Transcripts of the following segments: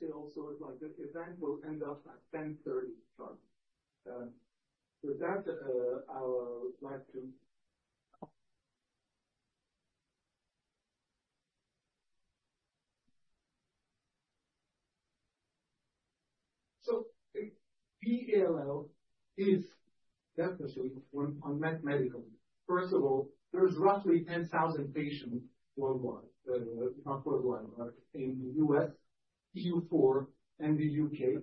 You said also that the event will end up at 10:30, Charlie. With that, I would like to. So B-ALL is definitely on that medical. First of all, there's roughly 10,000 patients worldwide, not worldwide, in the U.S., EU, and the U.K.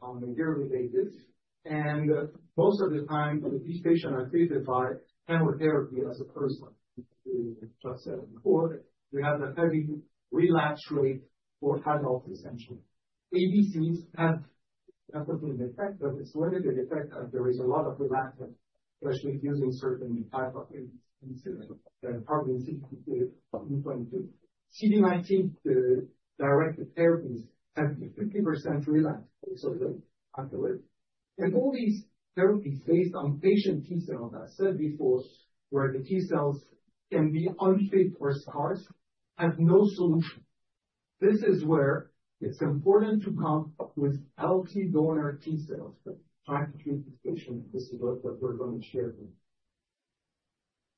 on a yearly basis. And most of the time, these patients are treated by chemotherapy as a first line. As we just said before, you have the heavy relapse rate for adults, essentially. ADCs have definitely an effect, but it's limited effect as there is a lot of relapse, especially using certain types of agents. And CD22. CD19-directed therapies have 50% relapse, so they can't do it. And all these therapies based on patient T cells, as I said before, where the T cells can be unfit or scarred, have no solution. This is where it's important to come with healthy donor T cells to try to treat this patient. This is what we're going to share with you,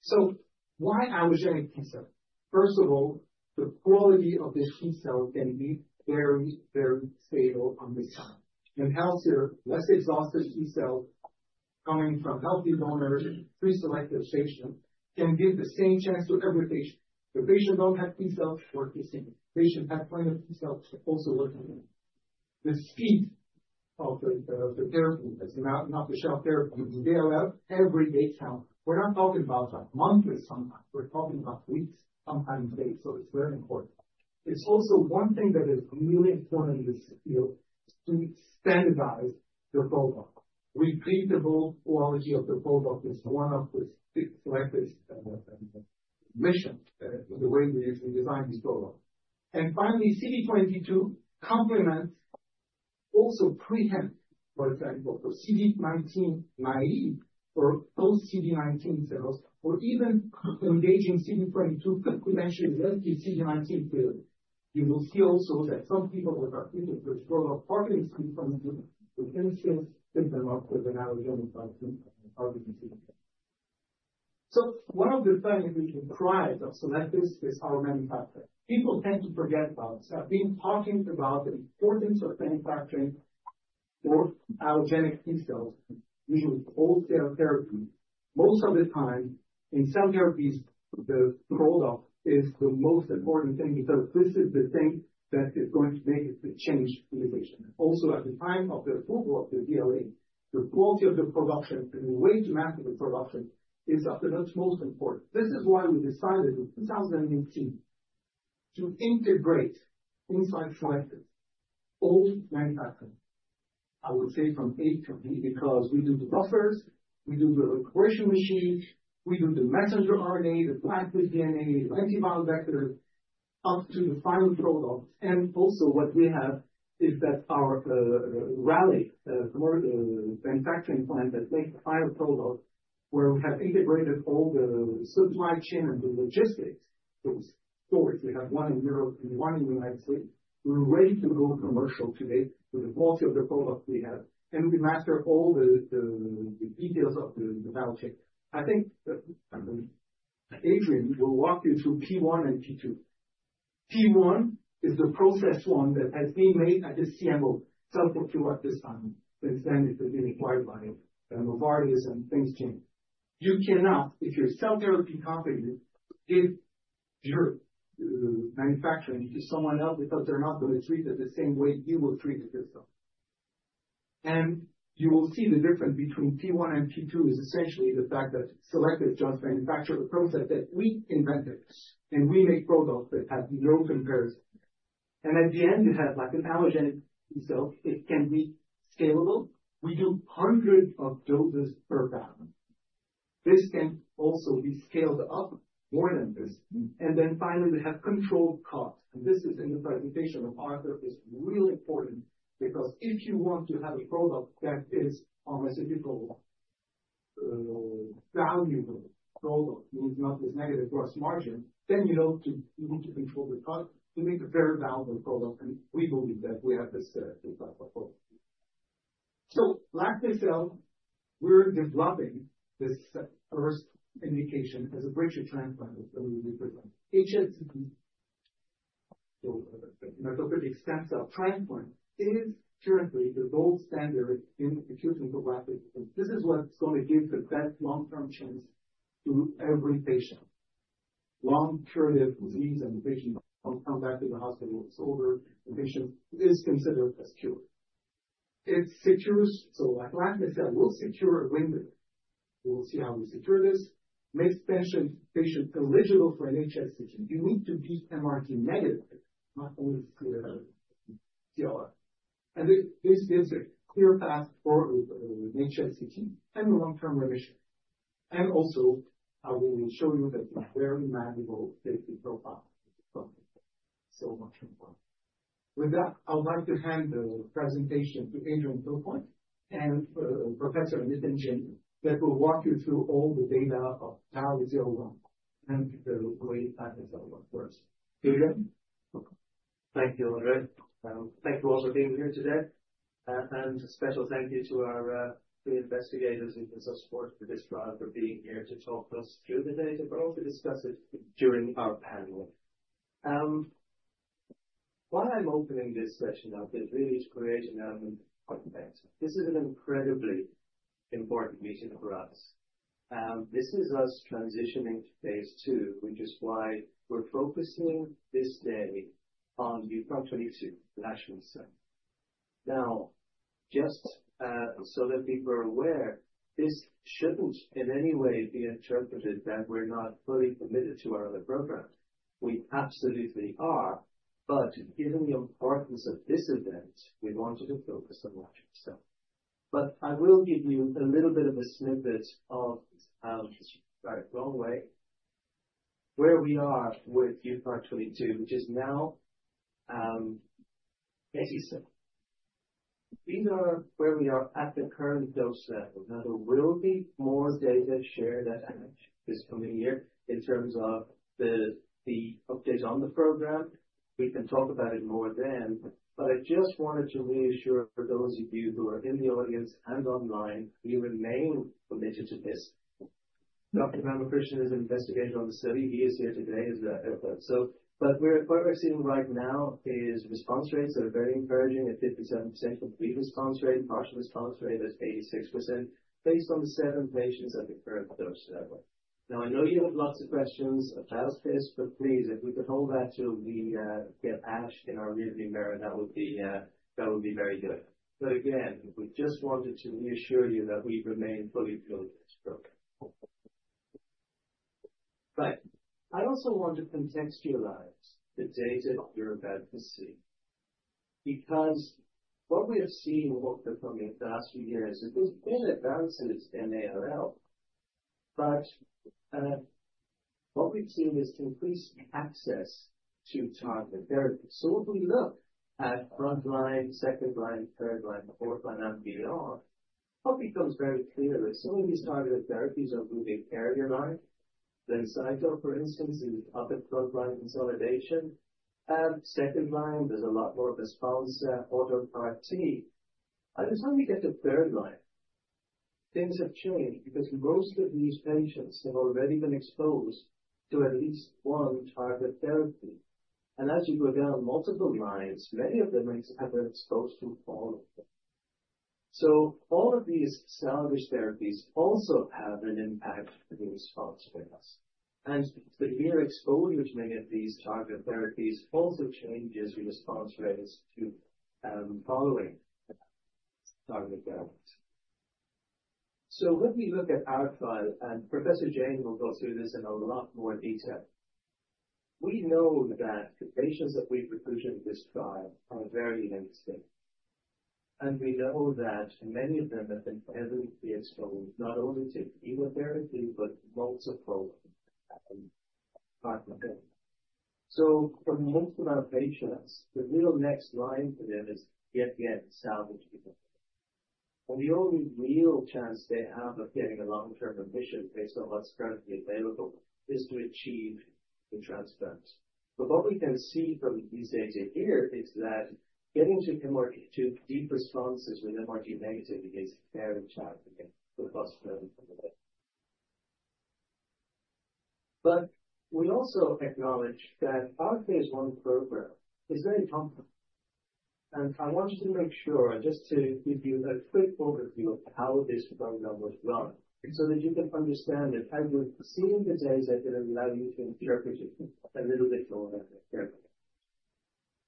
so why allogeneic T cells? First of all, the quality of this T cell can be very, very stable on this side and healthier, less exhausted T cells coming from healthy donors, pre-selected patients, can give the same chance to every patient. If the patient doesn't have T cells, we're missing. The patient has plenty of T cells, we're also looking at them. The speed of the therapy is not the shelf therapy. They allow every day count. We're not talking about monthly sometimes. We're talking about weeks, sometimes days, so it's very important. It's also one thing that is really important in this field is to standardize the product. Repeatable quality of the product is one of the selected missions in the way we design these products. And finally, CD22 complements also preempt, for example, for CD19-negative or post-CD19 cells, or even engaging CD22, potentially less than CD19. You will see also that some people who are treated with product partly with CD22 potentially take them up with an allogeneic therapy. So one of the things we can try to select this is our manufacturing. People tend to forget about this. I've been talking about the importance of manufacturing for allogeneic T cells, usually autologous therapy. Most of the time in cell therapies, the product is the most important thing because this is the thing that is going to make the change in the patient. Also, at the time of the approval of the BLA, the quality of the production and the way to master the production is often what's most important. This is why we decided in 2018 to integrate inside Cellectis all manufacturing. I would say from A-Z because we do the buffers, we do the electroporation machines, we do the messenger RNA, the plasmid DNA, the antibody vectors, up to the final product. And also what we have is that our Raleigh manufacturing plant that makes the final product, where we have integrated all the supply chain and the logistics. So we have one in Europe and one in the United States. We're ready to go commercial today with the quality of the product we have. And we master all the details of the biochem. I think Adrian will walk you through P1 and P2. P1 is the process one that has been made at the CMO. It's helped us a lot this time. Since then, it's been required by Novartis and things changed. You cannot, if you're cell therapy competent, give your manufacturing to someone else because they're not going to treat it the same way you will treat the cell. And you will see the difference between P1 and P2 is essentially the fact that Cellectis just manufactured a process that we invented, and we make products that have no comparison. And at the end, you have an allogeneic T cell. It can be scalable. We do hundreds of doses per batch. This can also be scaled up more than this. And then finally, we have controlled costs. This is in the presentation of Arthur, which is really important because if you want to have a product that is pharmaceutically valuable, product means not this negative gross margin, then you need to control the cost to make a very valuable product. We believe that we have this product. So like this cell, we're developing this first indication as a bridge transplant that we will be presenting. HSCT, so hematopoietic stem cell transplant, is currently the gold standard in acute lymphoblastic leukemia. This is what's going to give the best long-term chance to every patient. Long-curative disease and the patient will come back to the hospital with disorder. The patient is considered as cured. It secures, so like I said, we'll secure a window. We'll see how we secure this. It makes patients eligible for an HSCT. You need to be MRD negative, not only CR. This gives a clear path forward with an HSCT and long-term remission. Also, I will show you that it's a very malleable safety profile. Much more. With that, I would like to hand the presentation to Adrian Kilcoyne and Professor Nitin Jain that will walk you through all the data of BALLI-01 and the way BALLI-01 works. Adrian? Thank you, André. Thank you all for being here today, and a special thank you to our three investigators who have supported this trial for being here to talk to us through the data, but also discuss it during our panel. Why I'm opening this session up is really to create an element of better. This is an incredibly important meeting for us. This is us transitioning to phase II, which is why we're focusing this day on UCART22, the National Center. Now, just so that people are aware, this shouldn't in any way be interpreted that we're not fully committed to our other program. We absolutely are, but given the importance of this event, we wanted to focus on that. But I will give you a little bit of a snippet of, sorry, wrong way, where we are with UCART22, which is now 87. These are where we are at the current dose level. Now, there will be more data shared at ASTCT this coming year in terms of the update on the program. We can talk about it more then, but I just wanted to reassure those of you who are in the audience and online, we remain committed to this. Dr. Ramakrishnan is an investigator on the study. He is here today as well. But what we're seeing right now is response rates that are very encouraging at 57% complete response rate, partial response rate at 86% based on the seven patients at the current dose level. Now, I know you have lots of questions about this, but please, if we could hold that till we get ASH in our rearview mirror, that would be very good. But again, we just wanted to reassure you that we remain fully committed to this program. Right. I also want to contextualize the data you're about to see because what we have seen over the last few years, there's been advances in ALL, but what we've seen is increased access to targeted therapy. So if we look at frontline, second line, third line, fourth line, and beyond, what becomes very clear is some of these targeted therapies are moving earlier line. Blincyto, for instance, is up at frontline consolidation. Second line, there's a lot more response auto CAR-T. By the time we get to third line, things have changed because most of these patients have already been exposed to at least one targeted therapy. And as you go down multiple lines, many of them have been exposed to all of them. So all of these salvage therapies also have an impact on the response rates. And the mere exposure to many of these target therapies also changes the response rates to following target therapies. So let me look at our trial, and Professor Jain will go through this in a lot more detail. We know that the patients that we've recruited for this trial are very limited. And we know that many of them have been heavily exposed, not only to chemotherapy, but multiple. So for most of our patients, the real next line for them is yet again, salvage people. And the only real chance they have of getting a long-term admission based on what's currently available is to achieve the transplant. But what we can see from these data here is that getting to deep responses with MRD negative is very challenging for the most of them. But we also acknowledge that our phase I program is very complex. And I wanted to make sure, just to give you a quick overview of how this program was run, so that you can understand it as you're seeing the data that will allow you to interpret it a little bit more accurately.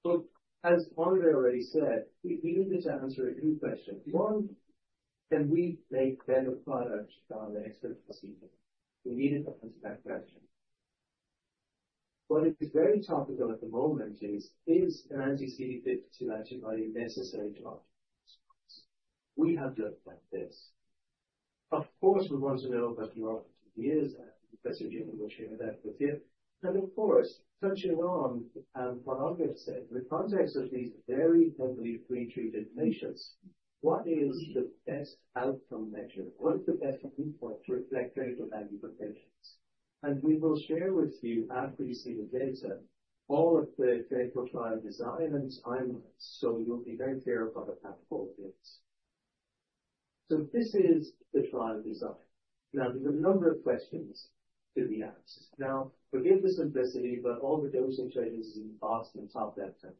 So as André already said, we needed to answer a few questions. One, can we make better products from expertise? We needed to answer that question. What is very topical at the moment is an anti-CD52 antibody necessary to optimize response? We have looked at this. Of course, we want to know what the opportunity is, and Professor Jain will share that with you. And of course, touching on what André said, in the context of these very heavily pretreated patients, what is the best outcome measure? What is the best viewpoint to reflect clinical value for patients? And we will share with you, after you see the data, all of the clinical trial design and timelines. So you'll be very clear about the pathologies. So this is the trial design. Now, there's a number of questions to be asked. Now, forgive the simplicity, but all the dose interchange is in the bottom top left-hand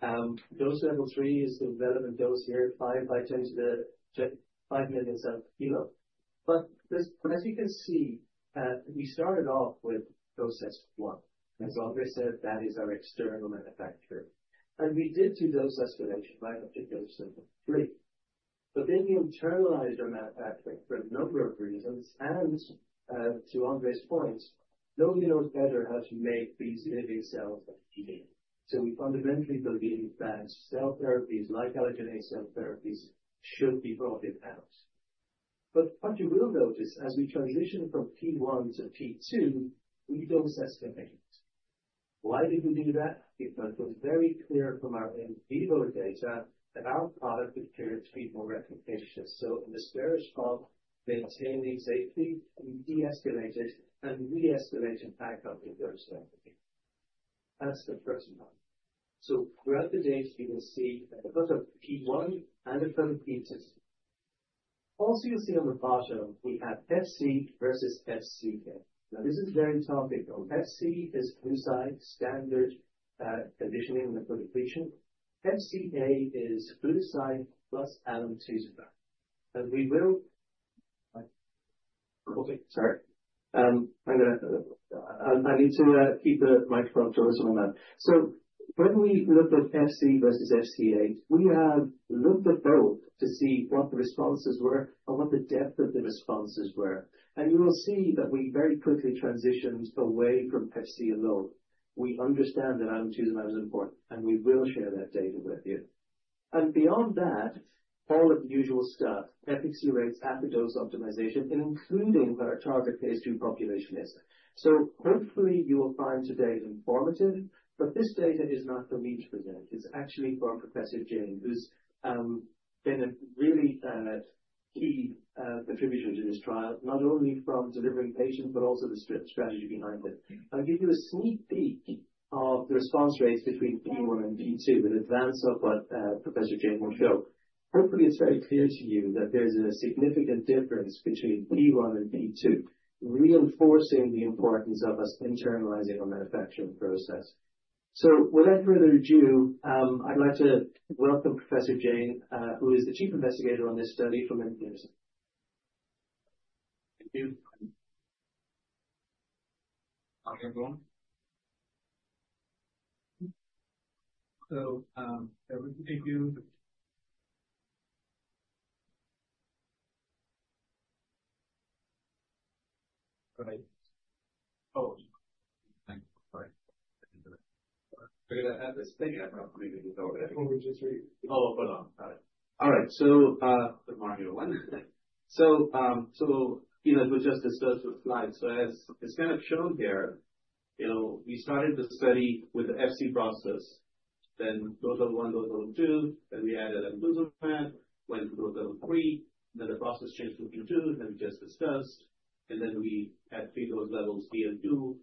corner. Dose level three is the relevant dose here, 5 by 10 to the 5 millionths of kilo. But as you can see, we started off with dose test one. As André said, that is our external manufacturing. And we did do dose escalation by particularly three. But then we internalized our manufacturing for a number of reasons. And to André's point, nobody knows better how to make these living cells that we need. So we fundamentally believe that cell therapies, like allogeneic cell therapies, should be brought in house. But what you will notice as we transition from P1-P2, we don't escalate it. Why did we do that? Because it was very clear from our in vivo data that our product appeared to be more efficacious. So in the spare response, maintaining safety, we de-escalated and re-escalated back up to dose therapy. That's the first one. So throughout the data, you will see at the bottom P1 and at the 17th. Also, you'll see on the bottom, we have FC versus FCA. Now, this is very topical. FC is fludarabine standard conditioning and lymphodepletion. FCA is fludarabine plus alemtuzumab. And we will. Okay, sorry. I'm going to, I need to keep the microphone closer on that. So when we looked at FC versus FCA, we have looked at both to see what the responses were and what the depth of the responses were. And you will see that we very quickly transitioned away from FC alone. We understand that alemtuzumab is important, and we will share that data with you. And beyond that, all of the usual stuff, efficacy rates at the dose optimization, including what our target phase II population is. So hopefully you will find today informative, but this data is not for me to present. It's actually from Professor Jain, who's been a really key contributor to this trial, not only from delivering patients, but also the strategy behind it. I'll give you a sneak peek of the response rates between P1 and P2 with advance of what Professor Jain will show. Hopefully, it's very clear to you that there's a significant difference between P1 and P2, reinforcing the importance of us internalizing our manufacturing process. So without further ado, I'd like to welcome Professor Jain, who is the chief investigator on this study from MD Anderson. Thank you. So everything you. Right. Oh, sorry. We're going to add this thing up. Oh, just read. Oh, hold on. Got it. All right. Good morning, everyone. As we just discussed with slides, as it's kind of shown here, we started the study with the FC process, then dose level one, dose level two, then we added alemtuzumab, went to dose level three, then the process changed to P2, then we just discussed, and then we had three dose levels, DL2,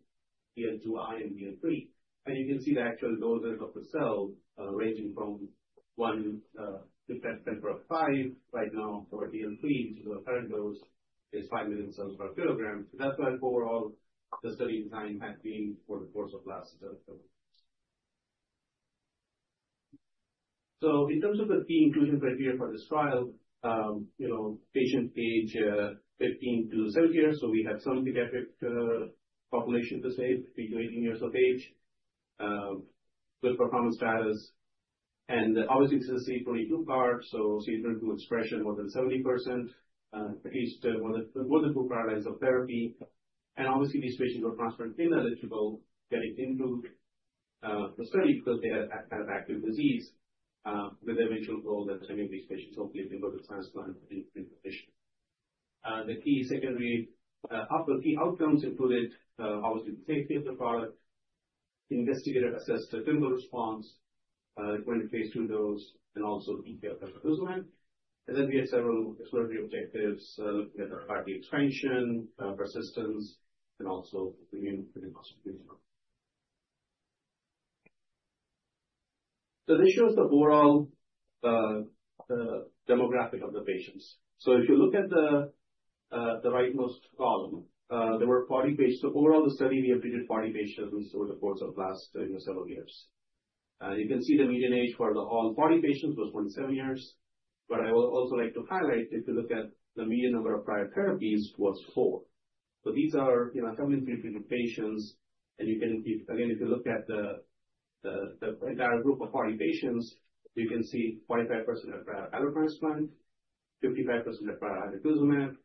DL2i, and DL3. You can see the actual dose in cells ranging from 1 to 10 × 10^5. Right now, our DL3, which is our current dose, is 5 million cells per kilogram. That's what overall the study design has been for the course of last year. So in terms of the key inclusion criteria for this trial, patient age 15-70 years, so we have some pediatric population to say, between 18 years of age, good performance status, and obviously CD22 CAR, so CD22 expression more than 70%, at least more than two prior lines of therapy. And obviously, these patients were transplant ineligible, getting into the study because they had active disease with the eventual goal that any of these patients hopefully will go to transplant in completion. The key secondary key outcomes included obviously the safety of the product, investigator assessed the clinical response when phase II dose, and also the exposure of alemtuzumab. And then we had several exploratory objectives looking at the RT expansion, persistence, and also immune responsibility. So this shows the overall demographic of the patients. So if you look at the rightmost column, there were 40 patients. So overall, the study, we have treated 40 patients over the course of the last several years. You can see the median age for all 40 patients was 27 years. But I would also like to highlight, if you look at the median number of prior therapies, it was four. So these are commonly treated patients. And again, if you look at the entire group of 40 patients, you can see 45% had prior allotransplant, 55% had prior alemtuzumab,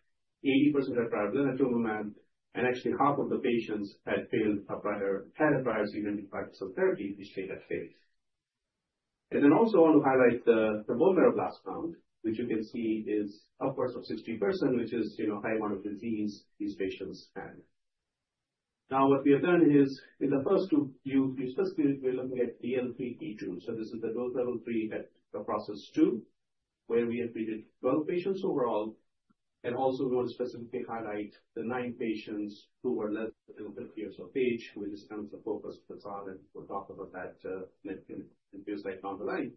80% had prior blinatumomab, and actually half of the patients had failed a prior CD19 cell therapy, which they had failed. And then I also want to highlight the bone marrow blast count, which you can see is upwards of 60%, which is a high amount of disease these patients had. Now, what we have done is in the first two, we specifically were looking at DL3P2. So this is the dose level three at process two, where we have treated 12 patients overall. And also, we want to specifically highlight the nine patients who were less than 50 years of age, which is kind of the focus of the trial. And we'll talk about that in a few slides down the line.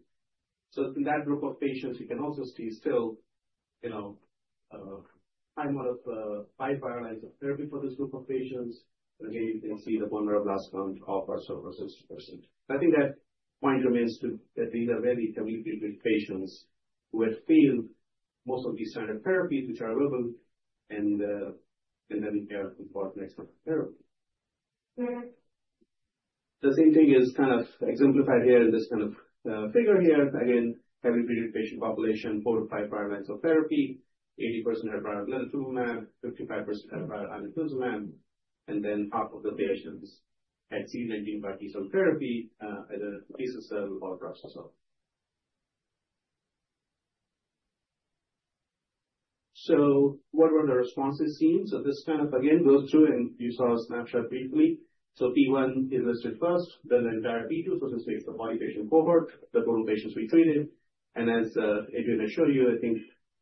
So in that group of patients, you can also see still a high amount of five parallels of therapy for this group of patients. And again, you can see the bone marrow blast count of our server was 60%. I think that point remains that these are very heavily treated patients who have failed most of these standard therapies, which are available, and then we have to start next step of therapy. The same thing is kind of exemplified here in this kind of figure here. Again, heavily treated patient population, 4-5 lines of therapy, 80% had prior Blincyto, 55% had prior inotuzumab ozogamicin, and then half of the patients had CD19 CAR cell therapy either T-cell or CAR cell. So what were the responses seen? So this kind of, again, goes through, and you saw a snapshot briefly. So P1 is listed first, then the entire P2, so this takes the RP2D patient cohort, the total patients we treated. And as Adrian had shown you, I think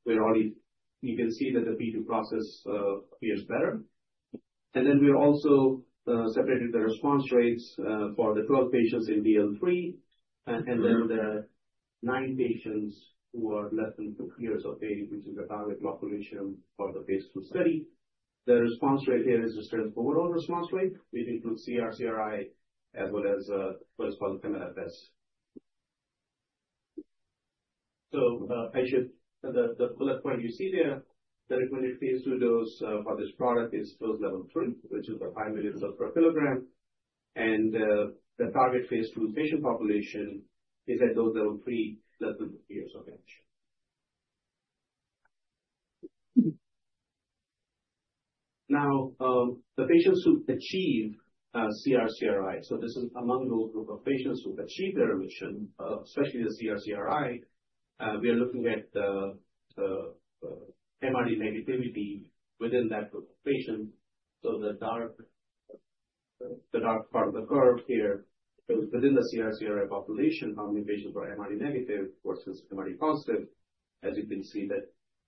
we're already, you can see that the P2 process appears better. And then we also separated the response rates for the 12 patients in DL3, and then the 9 patients who are less than 50 years of age, which is the target population for the phase II study. The response rate here is the strength overall response rate, which includes CR/CRi, as well as what is called MLFS. The bullet point you see there, the recommended phase II dose for this product is dose level 3, which is the 5 million cells per kilogram. And the target phase II patient population is at dose level 3, less than 50 years of age. Now, the patients who achieve CR/CRi, so this is among those group of patients who've achieved their remission, especially the CR/CRi, we are looking at the MRD negativity within that group of patients. So the dark part of the curve here is within the CR/CRi population, how many patients are MRD negative versus MRD positive. As you can see, the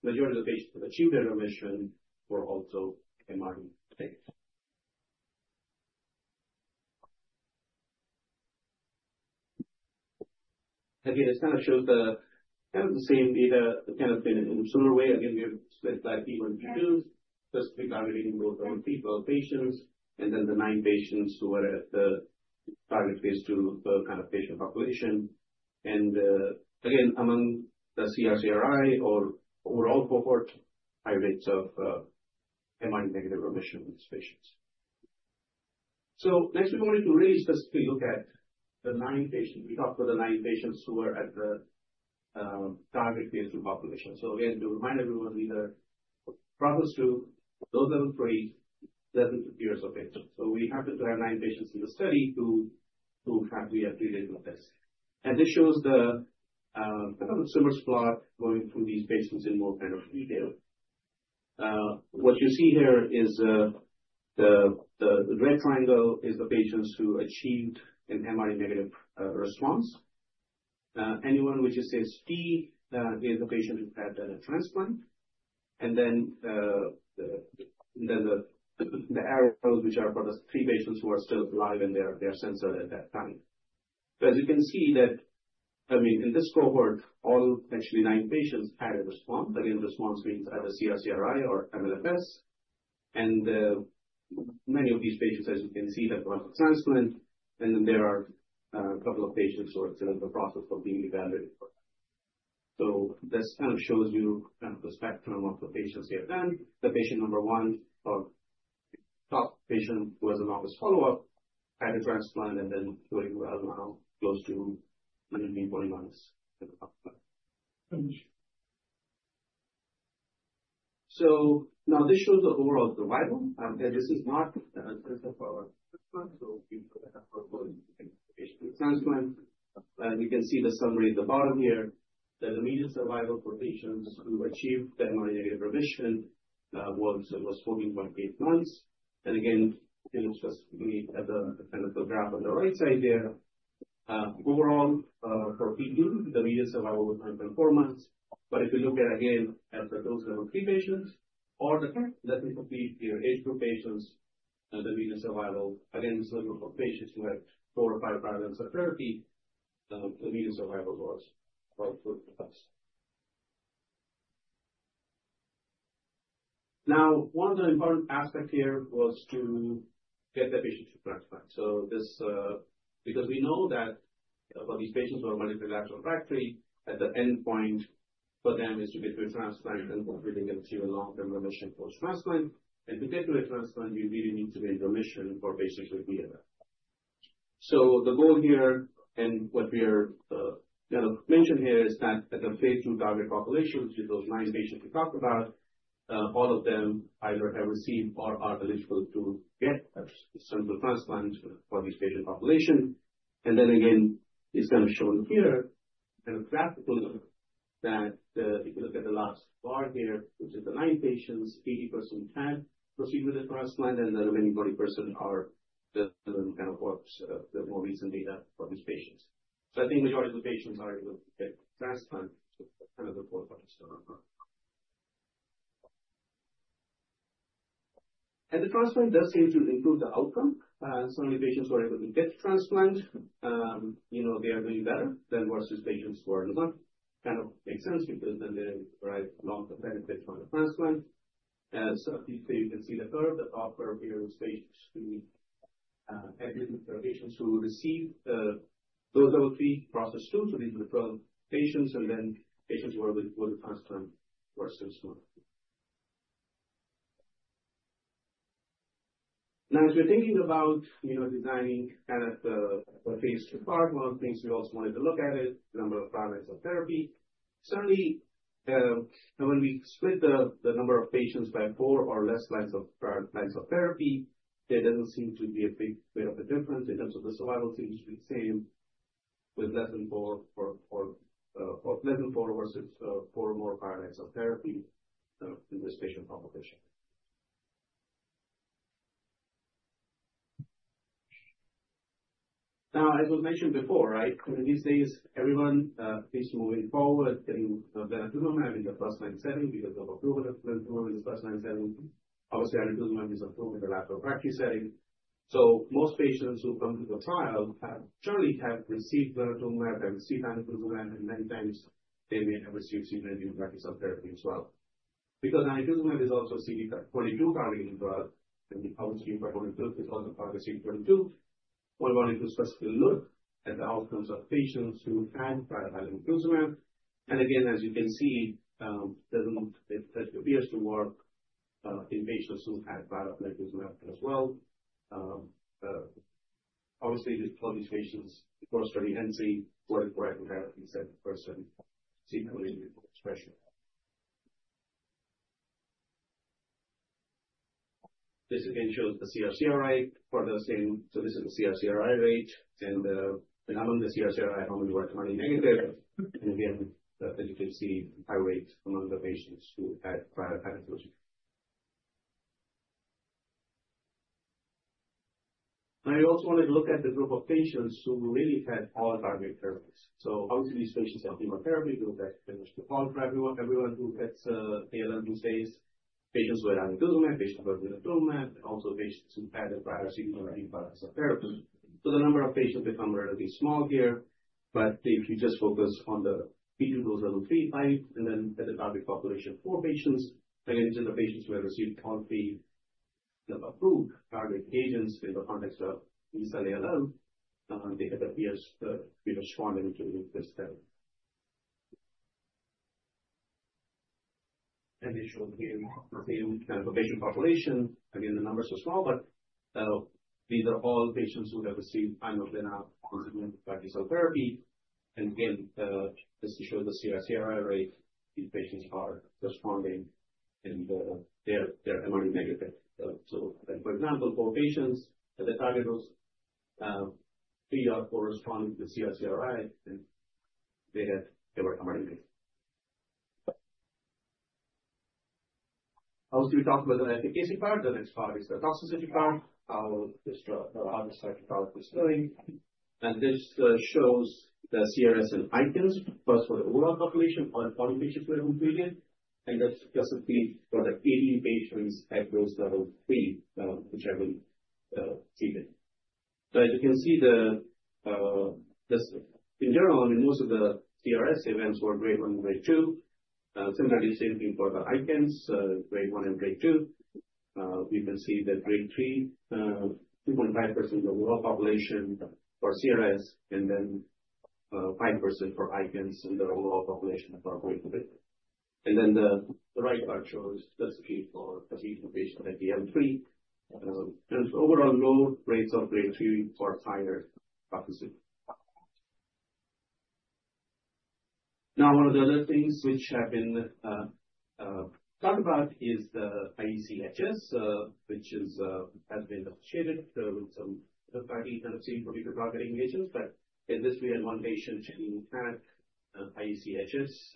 majority of the patients who achieved their remission were also MRD negative. Again, this kind of shows the kind of the same data, kind of in a similar way. Again, we have split by phase I-II, specifically targeting those 12 patients, and then the nine patients who are at the target phase II kind of patient population, and again, among the CR/CRi or overall cohort, high rates of MRD-negative remission in these patients, so next, we wanted to really specifically look at the nine patients. We talked about the nine patients who were at the target phase II population, so again, to remind everyone, these are phase II, dose level three, less than 50 years of age, so we happen to have nine patients in the study who we have treated with this, and this shows the kind of the similar plot going through these patients in more kind of detail. What you see here is the red triangle is the patients who achieved an MRD-negative response. Anyone which is censored is a patient who had a transplant, and then the arrows, which are for the three patients who are still alive and they are censored at that time, so as you can see, I mean, in this cohort, all actually nine patients had a response. Again, response means either CR/CRi or MLFS, and many of these patients, as you can see, have gone to transplant, and then there are a couple of patients who are still in the process of being evaluated for that, so this kind of shows you kind of the spectrum of the patients here then. The patient number one, or top patient who has an office follow-up, had a transplant and then doing well now, close to 14 months in the transplant, so now this shows the overall survival. This is not censored post-transplant. So we look at the first patient with transplant. And you can see the summary at the bottom here, that the median survival for patients who achieved the MRD-negative remission was 14.8 months. And again, you can specifically at the kind of graph on the right side there, overall for P2, the median survival was 1.4 months. But if you look again at the dose level three patients or the less than 50-year age group patients, the median survival, again, this is a group of patients who had four or five parallels of therapy, the median survival was about 40%. Now, one of the important aspects here was to get the patient to transplant. So, this is because we know that for these patients who are multifactorial, at the end point for them is to get to a transplant and hopefully they can achieve a long-term remission post-transplant. And to get to a transplant, we really need to be in remission for patients with DLF. So the goal here and what we are going to mention here is that at the phase II target population, which is those nine patients we talked about, all of them either have received or are eligible to get a central transplant for this patient population. And then again, it's kind of shown here in a graphic that if you look at the last bar here, which is the nine patients, 80% had proceeded with the transplant, and the remaining 40% are the kind of what's the more recent data for these patients. So I think the majority of the patients are able to get transplant kind of the cohort. And the transplant does seem to improve the outcome. Certainly, patients who are able to get transplant, they are doing better than versus patients who are not. Kind of makes sense because then they derive long-term benefit from the transplant. So you can see the curve. The top curve here is patients who agreed with the patients who received the dose level three, process two. So these were the 12 patients, and then patients who were able to go to transplant versus one. Now, as we're thinking about designing kind of a phase II part, one of the things we also wanted to look at is the number of parallels of therapy. Certainly, when we split the number of patients by four or less lines of therapy, there doesn't seem to be a big bit of a difference in terms of the survival seems to be the same with less than four versus four or more lines of therapy in this patient population. Now, as was mentioned before, right, in these days, everyone, at least moving forward, getting Blincyto in the first-line setting because of approval of Blincyto in the first-line setting. Obviously, inotuzumab ozogamicin is approved in the later-line setting. So most patients who come to the trial have certainly received Blincyto, have received inotuzumab ozogamicin, and many times they may have received CD19 CAR-T cell therapy as well. Because inotuzumab ozogamicin is also CD22-targeting drug, and we published CD22 because of target CD22, we wanted to specifically look at the outcomes of patients who had prior inotuzumab ozogamicin. And again, as you can see, it appears to work in patients who had prior inotuzumab ozogamicin as well. Obviously, for these patients, before study N3, what is the correct therapy set in person? CD19 CAR cell therapy. This again shows the CR/CRi for the same. So this is the CR/CRi rate. And among the CR/CRi, how many were MRD negative? And again, as you can see, high rate among the patients who had prior inotuzumab ozogamicin. Now, we also wanted to look at the group of patients who really had all target therapies. So obviously, these patients have chemotherapy. We look at everyone who gets ALL these days, patients who had inotuzumab ozogamicin, patients who had blinatumomab, and also patients who had a prior CD19 CAR cell therapy. So the number of patients becomes relatively small here. But if you just focus on the P2 dose level three, five, and then at the target population four patients, again, these are the patients who had received all three approved target agents in the context of R/R ALL. They had appeared to be responding to this therapy. And it shows here the same kind of a patient population. Again, the numbers are small, but these are all patients who have received inotuzumab and CD19 CAR-T cell therapy. And again, just to show the CR/CRi rate, these patients are responding, and they're MRD negative. So for example, four patients at the target dose three or four responded with CR/CRi, and they were MRD negative. Obviously, we talked about the efficacy part. The next part is the toxicity part. I'll just show how this cytotrophic is doing. And this shows the CRS and ICANS, first for the overall population or in 40 patients who have been treated. And that's specifically for the 18 patients at dose level three, which have been treated. So as you can see, in general, I mean, most of the CRS events were grade one and grade two. Similarly, same thing for the ICANS, grade one and grade two. You can see that grade three, 2.5% of the overall population for CRS, and then 5% for ICANS in the overall population for grade three. And then the right part shows specifically for the 18 patients at the L3. And overall, low rates of grade three or higher toxicity. Now, one of the other things which have been talked about is the IEC-HS, which has been associated with some kind of seen for different targeting agents. But in this, we had one patient who had IEC-HS,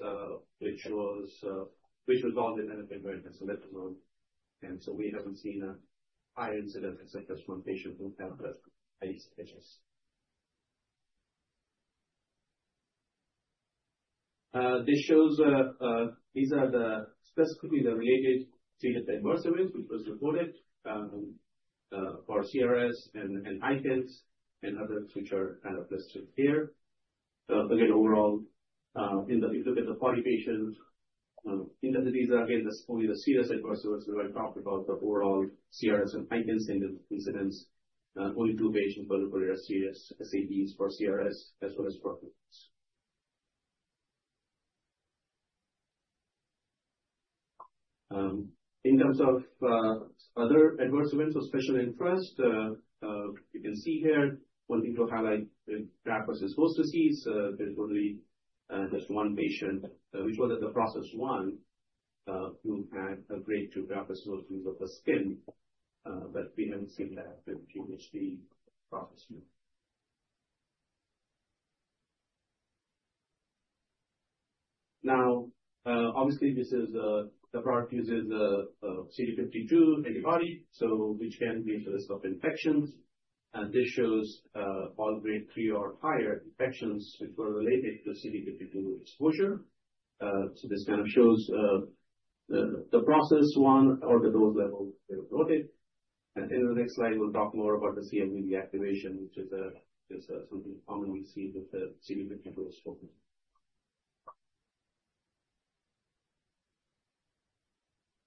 which was called the NF-11, so-called. And so we haven't seen a higher incidence except just one patient who had the IEC-HS. This shows these are specifically the related cytokine adverse events which were reported for CRS and ICANS and others which are kind of listed here. Again, overall, if you look at the 40 patients, these are again only the serious adverse events we talked about, the overall CRS and ICANS, single incidence. Only two patients were reported as serious SAEs for CRS as well as for ICANS. In terms of other adverse events of special interest, you can see here. One thing to highlight is graft-versus-host disease. There's only just one patient, which was at the dose level one, who had a grade two graft-versus-host disease of the skin. But we haven't seen that with GvHD process one. Now, obviously, the product uses a CD52 antibody, which can be at the risk of infections. And this shows all grade three or higher infections which were related to CD52 exposure. So this kind of shows the process one or the dose level they were noted. And in the next slide, we'll talk more about the CMV reactivation, which is something common we see with the CD52 exposure.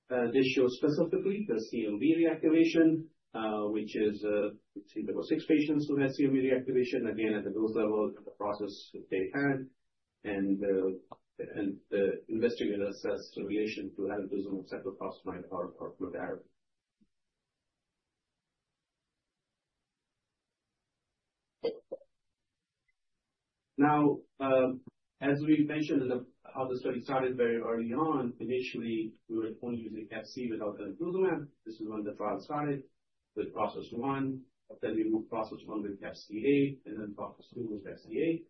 This shows specifically the CMV reactivation, which is, let's see, there were six patients who had CMV reactivation, again, at the dose level and the process that they had. And the investigator assessed the relation to alemtuzumab, cyclophosphamide, or fludarabine. Now, as we mentioned in how the study started very early on, initially, we were only using FC without the blinatumomab. This is when the trial started with process one. Then we moved process one with FCA, and then process two with FCA.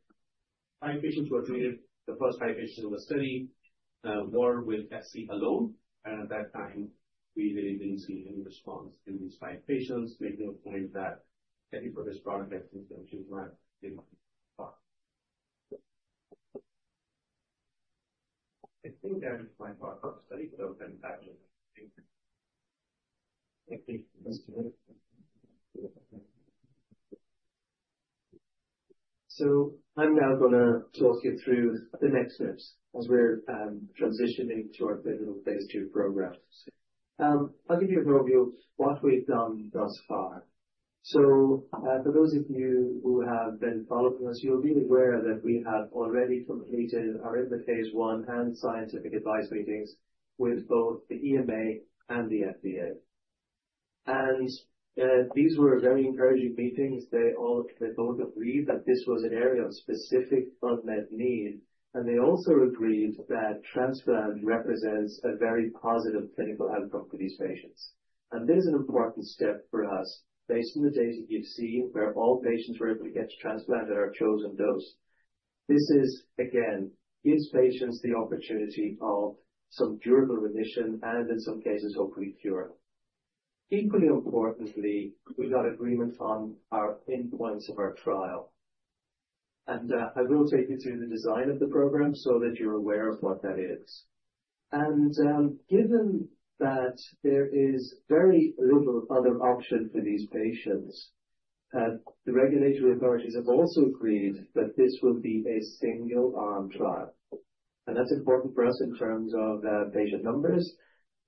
Five patients were treated. The first five patients in the study were with FC alone. And at that time, we really didn't see any response in these five patients, making a point that. I think that is my part of the study. So I'm now going to talk you through the next steps as we're transitioning to our clinical phase II program. I'll give you an overview of what we've done thus far. So for those of you who have been following us, you'll be aware that we have already completed or in the phase I and scientific advice meetings with both the EMA and the FDA. And these were very encouraging meetings. They both agreed that this was an area of specific front-end need. And they also agreed that transplant represents a very positive clinical outcome for these patients. And this is an important step for us based on the data you've seen where all patients were able to get to transplant at our chosen dose. This is, again, gives patients the opportunity of some durable remission and, in some cases, hopefully cure. Equally importantly, we got agreement on our end points of our trial. And I will take you through the design of the program so that you're aware of what that is. And given that there is very little other option for these patients, the regulatory authorities have also agreed that this will be a single-arm trial. And that's important for us in terms of patient numbers.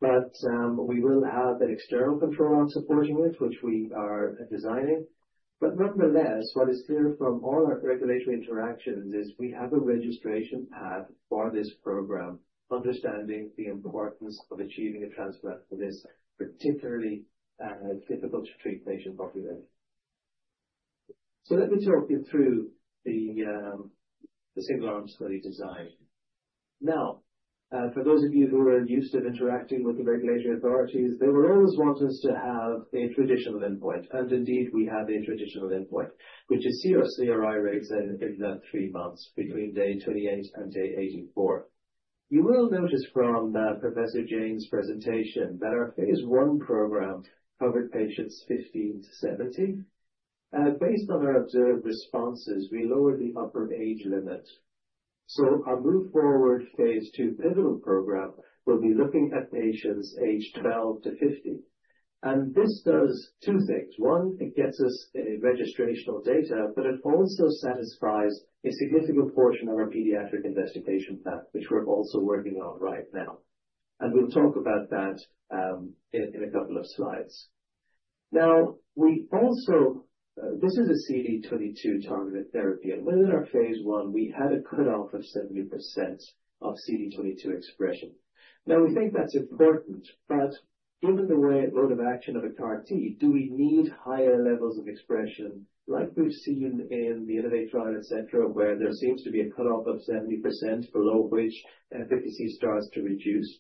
But we will have an external control arm supporting it, which we are designing. But nonetheless, what is clear from all our regulatory interactions is we have a registration path for this program, understanding the importance of achieving a transplant for this particularly difficult-to-treat patient population. So let me talk you through the single-arm study design. Now, for those of you who are used to interacting with the regulatory authorities, they will always want us to have a traditional endpoint. And indeed, we have a traditional endpoint, which is CR/CRi rates in the three months between day 28 and day 84. You will notice from Professor Jain's presentation that our phase I program covered patients 15-70. Based on our observed responses, we lowered the upper age limit. So our move forward phase II pivotal program will be looking at patients age 12-50. And this does two things. One, it gets us a registrational data, but it also satisfies a significant portion of our pediatric investigation path, which we're also working on right now, and we'll talk about that in a couple of slides. Now, this is a CD22 targeted therapy, and within our phase I, we had a cutoff of 70% of CD22 expression. Now, we think that's important, but given the way mode of action of a CAR-T, do we need higher levels of expression like we've seen in the NCI trial, etc., where there seems to be a cutoff of 70% below which efficacy starts to reduce?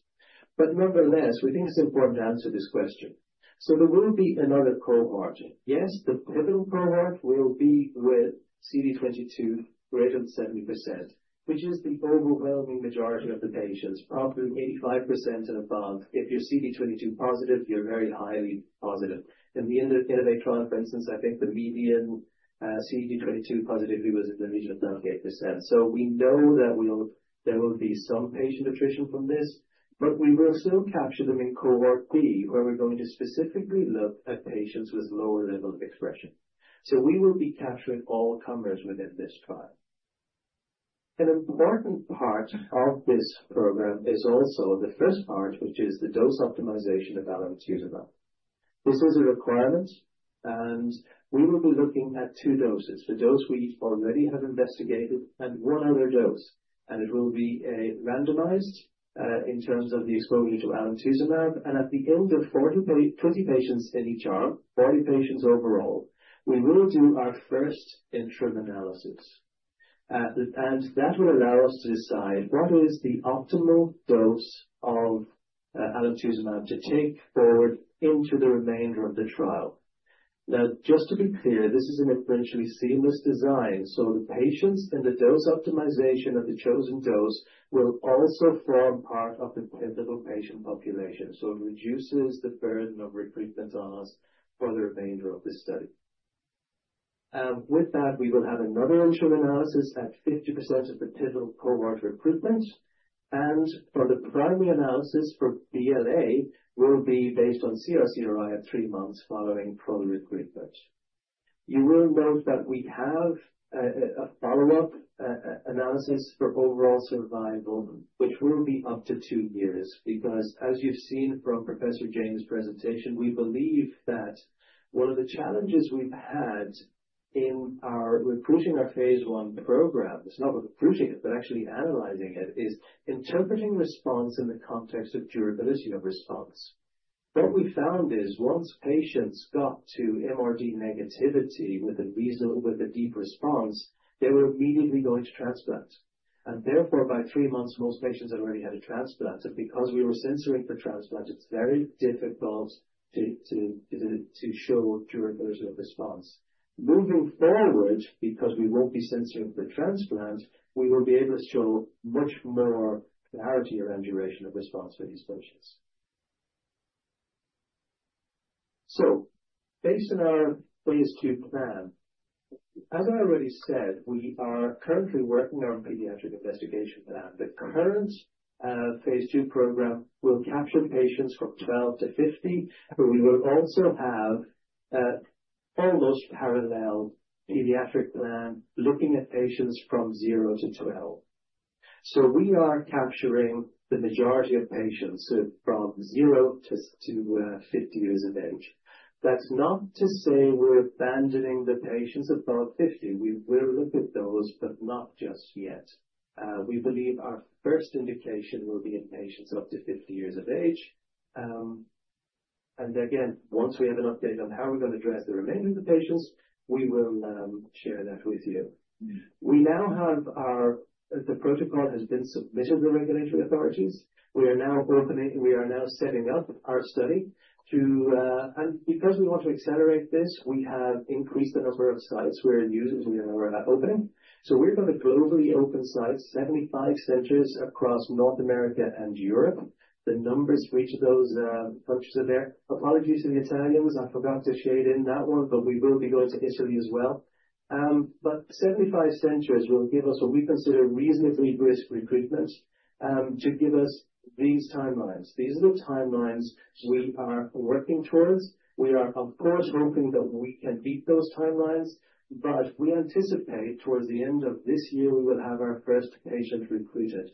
But nonetheless, we think it's important to answer this question, so there will be another cohort. Yes, the pivotal cohort will be with CD22 greater than 70%, which is the overwhelming majority of the patients, probably 85% and above. If you're CD22 positive, you're very highly positive. In the NCI trial, for instance, I think the median CD22 positivity was in the region of 98%, so we know that there will be some patient attrition from this, but we will still capture them in Cohort B, where we're going to specifically look at patients with lower level of expression, so we will be capturing all comers within this trial. An important part of this program is also the first part, which is the dose optimization of alemtuzumab. This is a requirement, and we will be looking at two doses: the dose we already have investigated and one other dose, and it will be randomized in terms of the exposure to alemtuzumab, and at the end of 40 patients in each arm, 40 patients overall, we will do our first interim analysis. And that will allow us to decide what is the optimal dose of alemtuzumab to take forward into the remainder of the trial. Now, just to be clear, this is an essentially seamless design. So the patients in the dose optimization of the chosen dose will also form part of the pivotal patient population. So it reduces the burden of recruitment on us for the remainder of the study. With that, we will have another interim analysis at 50% of the pivotal cohort recruitment. And for the primary analysis for BLA, we'll be based on CR/CRi at three months following full recruitment. You will note that we have a follow-up analysis for overall survival, which will be up to two years. Because as you've seen from Professor Jain's presentation, we believe that one of the challenges we've had in recruiting our phase I program, it's not recruiting it, but actually analyzing it, is interpreting response in the context of durability of response. What we found is once patients got to MRD negativity with a deep response, they were immediately going to transplant, and therefore by three months, most patients had already had a transplant, and because we were censoring for transplant, it's very difficult to show durability of response. Moving forward, because we won't be censoring for transplant, we will be able to show much more clarity around duration of response for these patients, so based on our phase II plan, as I already said, we are currently working on a pediatric investigation plan. The current phase II program will capture patients from 12-50, but we will also have almost parallel pediatric plan looking at patients from 0-12, so we are capturing the majority of patients from 0-50 years of age. That's not to say we're abandoning the patients above 50. We will look at those, but not just yet. We believe our first indication will be in patients up to 50 years of age, and again, once we have an update on how we're going to address the remainder of the patients, we will share that with you. We now have. Our protocol has been submitted to the regulatory authorities. We are now opening. We are now setting up our study, and because we want to accelerate this, we have increased the number of sites we're using when we're opening. So we're going to globally open sites, 75 centers across North America and Europe. The numbers for each of those countries are there. Apologies to the Italians. I forgot to shade in that one, but we will be going to Italy as well. But 75 centers will give us what we consider reasonably brisk recruitment to give us these timelines. These are the timelines we are working toward. We are, of course, hoping that we can beat those timelines, but we anticipate toward the end of this year, we will have our first patient recruited.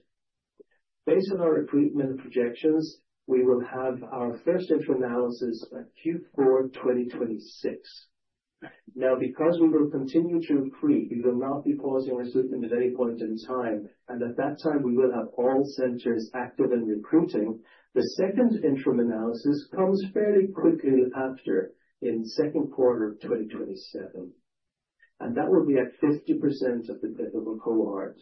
Based on our recruitment projections, we will have our first interim analysis at Q4 2026. Now, because we will continue to recruit, we will not be pausing recruitment at any point in time. And at that time, we will have all centers active and recruiting. The second interim analysis comes fairly quickly after, in the second quarter of 2027, and that will be at 50% of the pivotal cohort.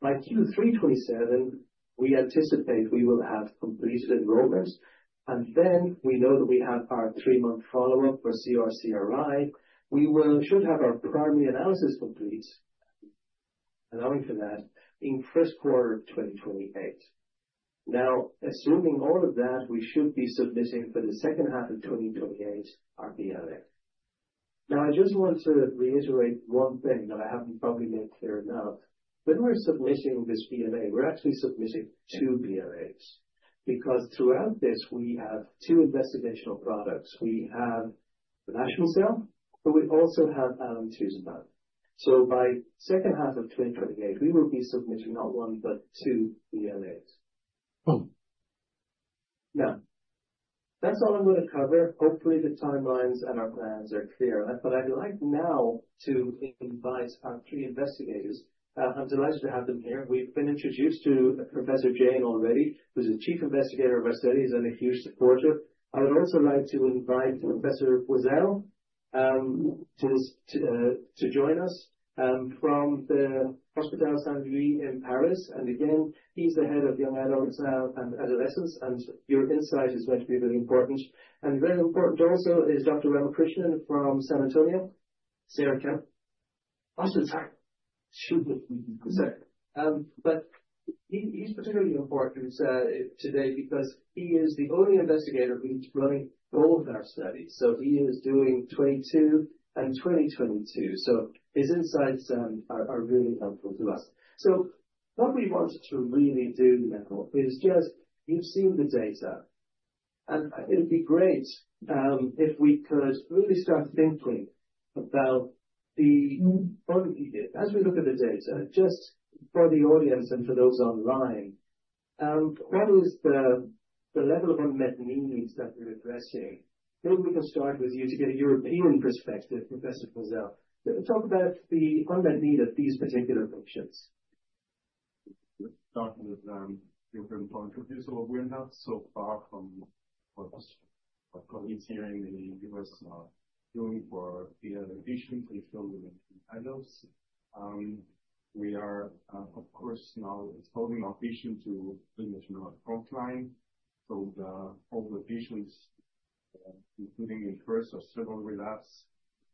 By Q3 2027, we anticipate we will have completed enrollment, and then we know that we have our three-month follow-up for CR/CRi. We should have our primary analysis complete, allowing for that in the first quarter of 2028. Now, assuming all of that, we should be submitting for the second half of 2028 our BLA. Now, I just want to reiterate one thing that I haven't probably made clear enough. When we're submitting this BLA, we're actually submitting two BLAs, because throughout this, we have two investigational products. We have the UCART22, but we also have alemtuzumab, so by the second half of 2028, we will be submitting not one, but two BLAs. Now, that's all I'm going to cover. Hopefully, the timelines and our plans are clear. But I'd like now to invite our three investigators. I'm delighted to have them here. We've been introduced to Professor Jain already, who's the chief investigator of our studies and a huge supporter. I would also like to invite Professor Boissel to join us from the Hôpital Saint-Louis in Paris. And again, he's the head of young adults and adolescents. And your insight is going to be really important. And very important also is Dr. Ramakrishnan from San Antonio. Sarah Kim. Oh, sorry. Excuse me. Sorry. But he's particularly important today because he is the only investigator who's running both our studies. So he is doing 22 and 20x22. So his insights are really helpful to us. So what we want to really do now is just, you've seen the data. And it would be great if we could really start thinking about the, as we look at the data, just for the audience and for those online, what is the level of unmet needs that we're addressing? Maybe we can start with you to get a European perspective, Professor Boissel, to talk about the unmet need of these particular patients. Start with your point of view. So we're not so far from what we're hearing in the U.S. doing for the patients in children and adults. We are, of course, now exposing our patients to Blincyto frontline. So all the patients, including in first or several relapse,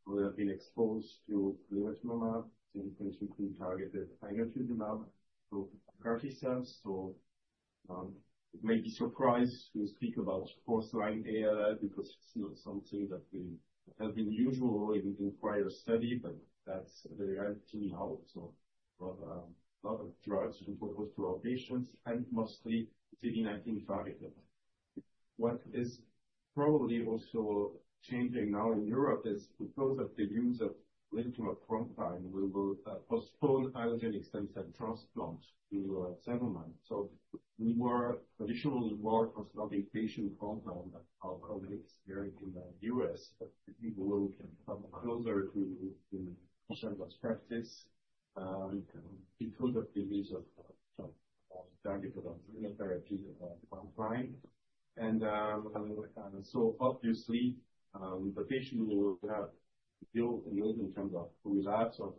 who have been exposed to Blincyto, we can treat with targeted inotuzumab ozogamicin. So CAR T cells. So it may be surprising to speak about first-line ALL because it's not something that has been usual in prior study, but that's the reality now. So a lot of drugs we propose to our patients, and mostly CD19-targeted. What is probably also changing now in Europe is, because of the use of Blincyto frontline, we will postpone allogeneic stem cell transplant to several months, so we were traditionally more consulting patient frontline than how it's here in the U.S., but we will come closer to the standard practice because of the use of targeted alemtuzumab therapy frontline, and so obviously, the patient will have built in terms of relapse or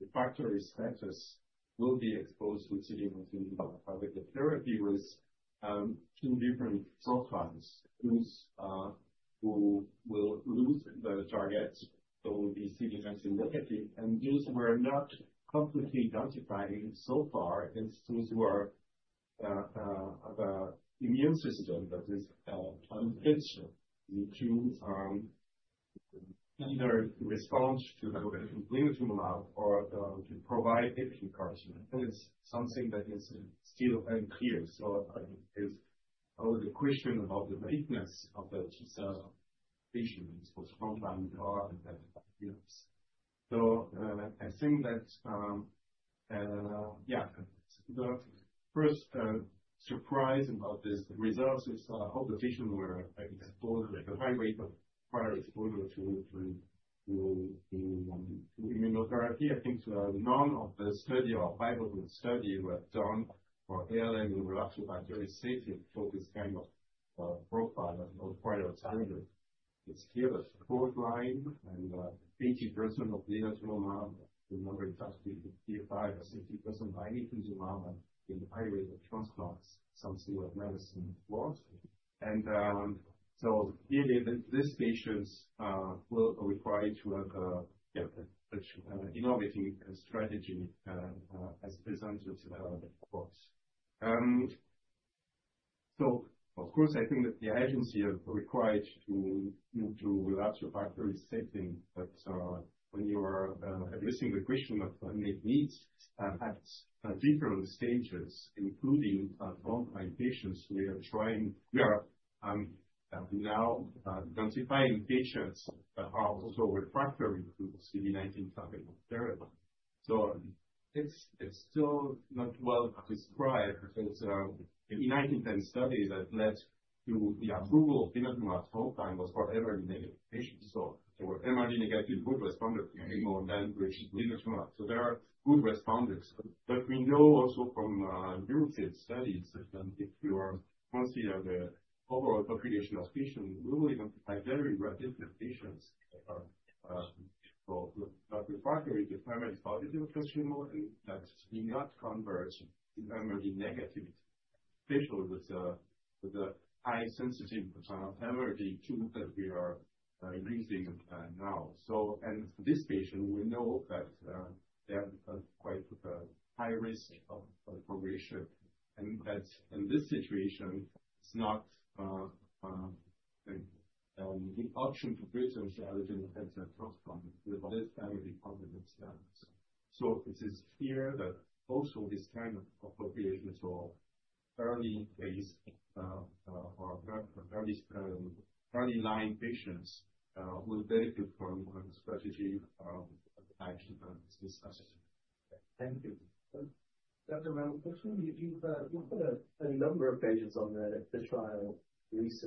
refractory status will be exposed to CD19-targeted therapy with two different profiles who will lose the target, so it will be CD19-negative, and those who are not completely identified so far are those who have an immune system that is unfit to either respond to Blincyto or to provide it to CAR-T. That is something that is still unclear. So I think there's always a question about the likelihood of the T cell patients for frontline or advanced patients. I think that, yeah, the first surprise about this, the results of the patients were exposed at a high rate of prior exposure to immunotherapy. I think none of the studies or pivotal study were done for ALL in relapse or refractory disease for this kind of profile or prior target. It's clear that frontline and 80% of Blincyto, the number is up to 55% or 60% binding to Blincyto in high rate of transplants, something that medicine wants, and so clearly, these patients will require to have an innovative strategy as presented. Reports. So of course, I think that the agency is required to move to relapsed or refractory disease, but when you are addressing the question of unmet needs at different stages, including frontline patients, we are trying, we are now identifying patients that are also refractory to CD19 targeted therapy, so it's still not well described. It's the E1910 study that led to the approval of blinatumomab frontline was for MRD negative patients, so they were MRD negative, good responders, and then received blinatumomab, so there are good responders. But we know also from limited studies, and if you consider the overall population of patients, we will identify very rapidly patients that are refractory to primary positive blinatumomab, and that do not convert to MRD negative, especially with the high sensitive MRD tool that we are using now. In this patient, we know that they have quite a high risk of progression. And that in this situation, it's not the option to treat them with allogeneic stem cell transplant with this MRD-positive cell. So it is clear that also this kind of appropriation for early phase.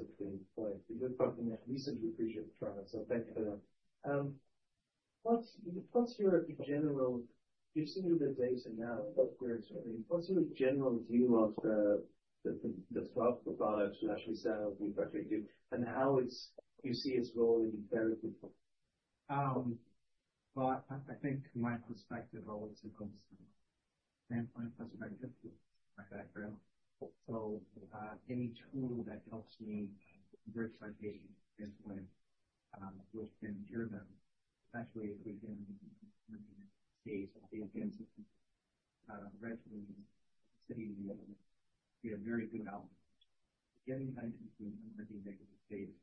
So any tool that helps me convert my patient standpoint within curative intent, especially if we can stage the advancement regimens, we have very good outcomes in getting them into MRD negative stage.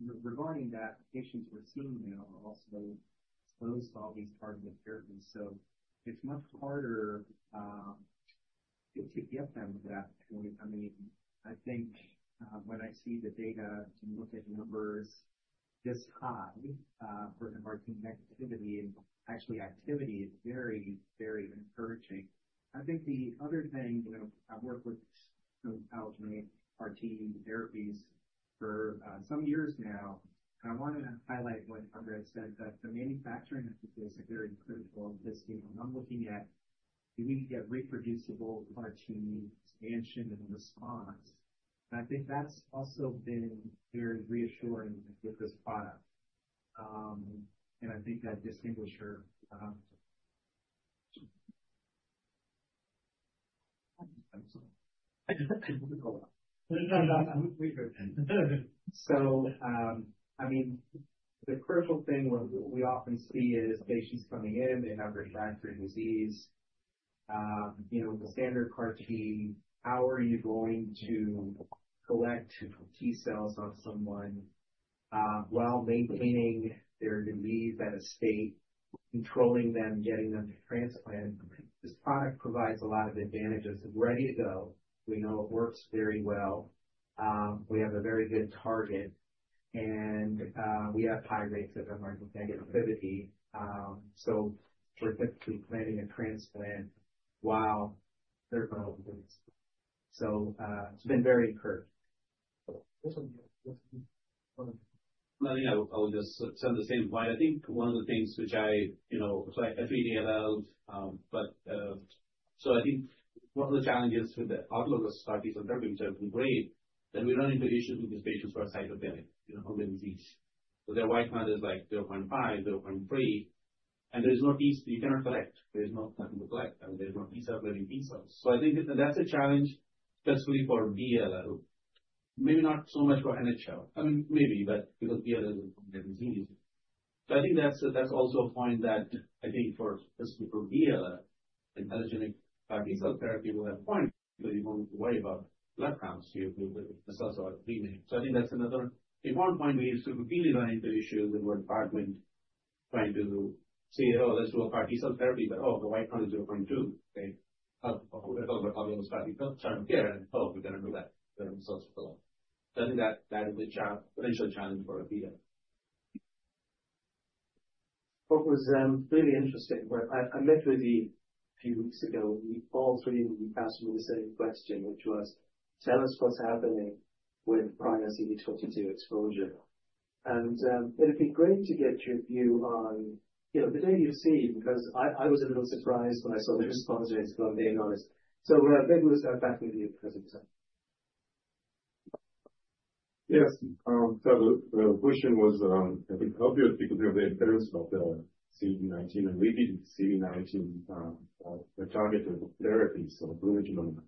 Regarding that, patients we're seeing now are also exposed to all these targeted therapies. So it's much harder to get them to that point. I mean, I think when I see the data and look at numbers this high for MRD negativity, actually activity is very, very encouraging. I think the other thing, I've worked with allogeneic CAR T therapies for some years now. And I want to highlight what André said, that the manufacturing is very critical of this team. And I'm looking at, do we get reproducible CAR T expansion and response? And I think that's also been very reassuring with this product. And I think that distinguisher. So I mean, the critical thing we often see is patients coming in, they have refractory disease. With the standard CAR T, how are you going to collect T cells on someone while maintaining their disease at a state, controlling them, getting them to transplant? This product provides a lot of advantages. Ready to go. We know it works very well. We have a very good target. And we have high rates of MRD negativity. So we're typically planning a transplant while they're probably. So it's been very encouraging. I think I will just say on the same point. I think one of the things which I, so I treat ALL, but so I think one of the challenges with the outlook of CAR T cell therapy which has been great that we run into issues with these patients who are cytopenic from the disease. So their white count is like 0.5, 0.3, and there is no T. You cannot collect. There is nothing to collect. There's no T cell getting T cells. So I think that's a challenge especially for B-ALL. Maybe not so much for NHL. I mean, maybe, but because B-ALL is a disease. So I think that's also a point that I think for specifically for B-ALL, allogeneic CAR T cell therapy will have a point because you don't need to worry about blood counts. Your results are pre-made. So I think that's another important point we used to be really running into issues in our department trying to say, "Oh, let's do a CAR T cell therapy," but, "Oh, the white count is 0.2." They talk about all those CAR T cell therapy and, "Oh, we're going to do that." The results are below. So I think that is a potential challenge for a B-ALL. What was really interesting, I met with you a few weeks ago. All three of you asked me the same question, which was, "Tell us what's happening with prior CD22 exposure." And it would be great to get your view on the data you've seen because I was a little surprised when I saw the response, to be honest. So maybe we'll start back with you, Professor Boissel. Yes. So the question was, I think, obvious because of the disappearance of the CD19 and repeated CD19 targeted therapy, so blinatumomab,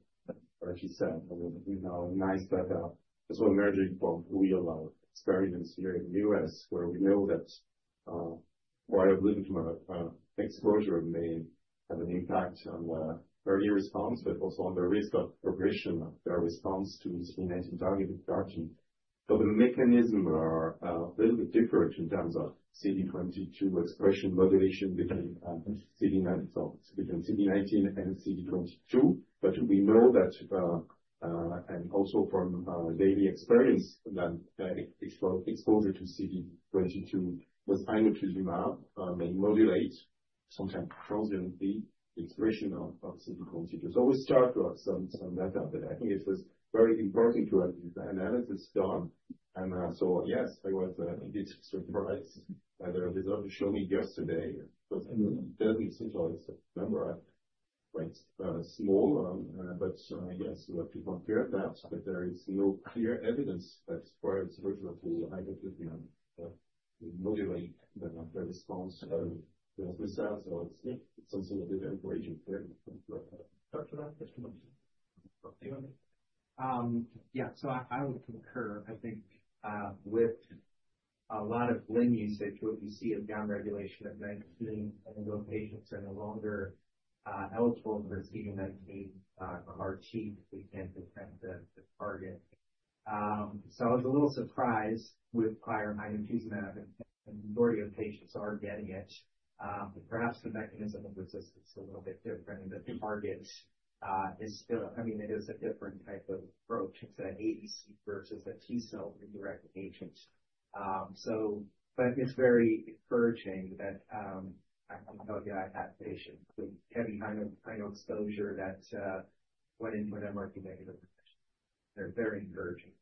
like you said. And we now know that this will emerge from real-world experience here in the U.S. where we know that prior blinatumomab exposure may have an impact on early response, but also on the risk of progression of their response to CD19 targeted CAR T. So the mechanisms are a little bit different in terms of CD22 expression modulation between CD19 and CD22. But we know that, and also from daily experience, that exposure to CD22 with inotuzumab ozogamicin may modulate sometimes transiently the expression of CD22. So we start to have some data, but I think it was very important to have the analysis done. And so yes, I was a bit surprised by the results you showed me yesterday. It was certainly a surprise. Remember, I write small, but yes, people hear that, but there is no clear evidence that prior exposure to inotuzumab ozogamicin will modulate the response to the cells. So it's something a bit encouraging. Dr. Ramakrishnan. Yeah. So I would concur, I think, with a lot of Blincyto usage where you see a downregulation of CD19 and those patients are no longer eligible for CD19 CAR T if we can't affect the target. So I was a little surprised with prior inotuzumab ozogamicin. A majority of patients are getting it. Perhaps the mechanism of resistance is a little bit different. The target is still, I mean, it is a different type of approach. It's an ADC versus a T cell redirect agent. But it's very encouraging that I know that I had patients with heavy ino exposure that went into an MRD-negative position. They're very encouraging.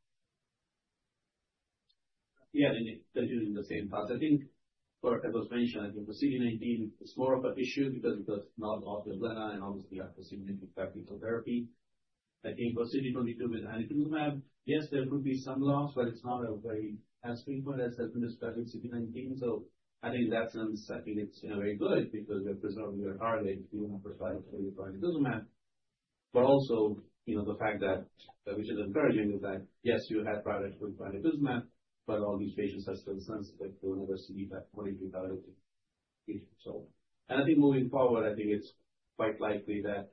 Yeah. And they're doing the same thoughts. I think, as was mentioned, I think for CD19, it's more of an issue because it was not of the Blincyto and obviously after CD19 targeted therapy. I think for CD22 with inotuzumab ozogamicin, yes, there could be some loss, but it's not as frequent as the CD19. So I think in that sense, I think it's very good because you're preserving your target immunoprophylactically for inotuzumab ozogamicin. But also the fact that, which is encouraging, is that, yes, you had prior inotuzumab ozogamicin, but all these patients are still sensitive to never see that Blincyto targeted patient. And I think moving forward, I think it's quite likely that,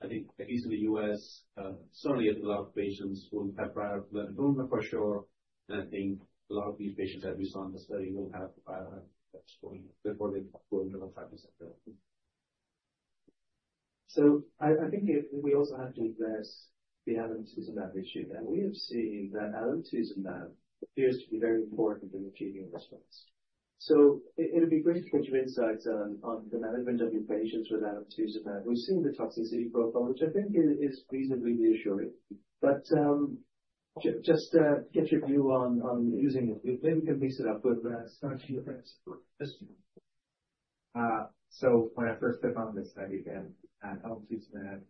I think, at least in the U.S., certainly a lot of patients will have prior Blincyto for sure. And I think a lot of these patients that we saw in the study will have prior inotuzumab ozogamicin before they go into the targeted therapy. So I think we also have to address the inotuzumab ozogamicin issue. And we have seen that inotuzumab ozogamicin appears to be very important in achieving results. So it would be great to get your insights on the management of your patients with alemtuzumab. We've seen the toxicity profile, which I think is reasonably reassuring. But just get your view on using it. Maybe we can mix it up with. So when I first took on this study and alemtuzumab,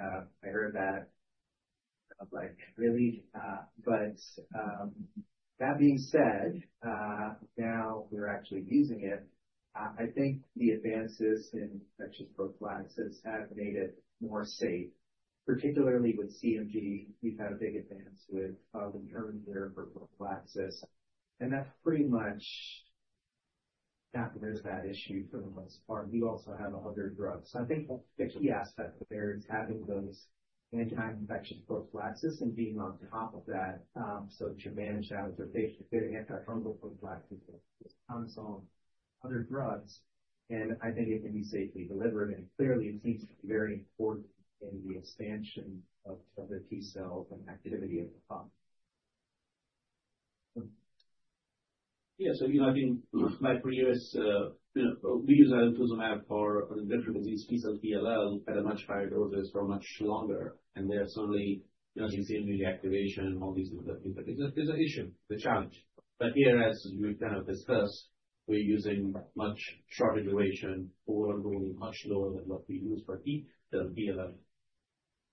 I heard that I was like, "Really?" But that being said, now we're actually using it. I think the advances in infectious prophylaxis have made it more safe, particularly with CMV. We've had a big advance with alemtuzumab here for prophylaxis. And that's pretty much not been that issue for the most part. We also have other drugs. So I think the key aspect there is having those anti-infectious prophylaxis and being on top of that so that you manage that with your patient with antithromboprophylaxis that comes on other drugs. And I think it can be safely delivered. And clearly, it seems to be very important in the expansion of the T cells and activity of the path. Yeah. So I think my previous we use alemtuzumab for infectious disease T cells B-ALL at a much higher dose for much longer. And they are certainly. You're not going to see immediate activation and all these things. It's an issue, it's a challenge. But here, as we've kind of discussed, we're using much shorter duration overall, much lower than what we use for B-ALL.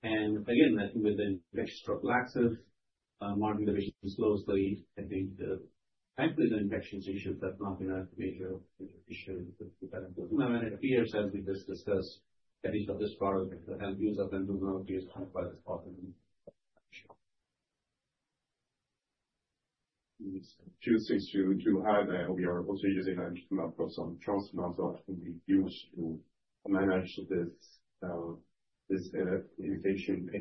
And again, with the infectious prophylaxis, monitoring the patients closely. I think, thankfully, the infectious issues. That's not been a major issue with alemtuzumab. And it appears, as we just discussed, at least for this product, that the use of alemtuzumab is quite important. Choosing to have the OBR, also using alemtuzumab for some transplants that can be used to manage this infectious disease that are not that aggressive in terms of viral levels in the infectious patients here. Of course, the organization of this is really important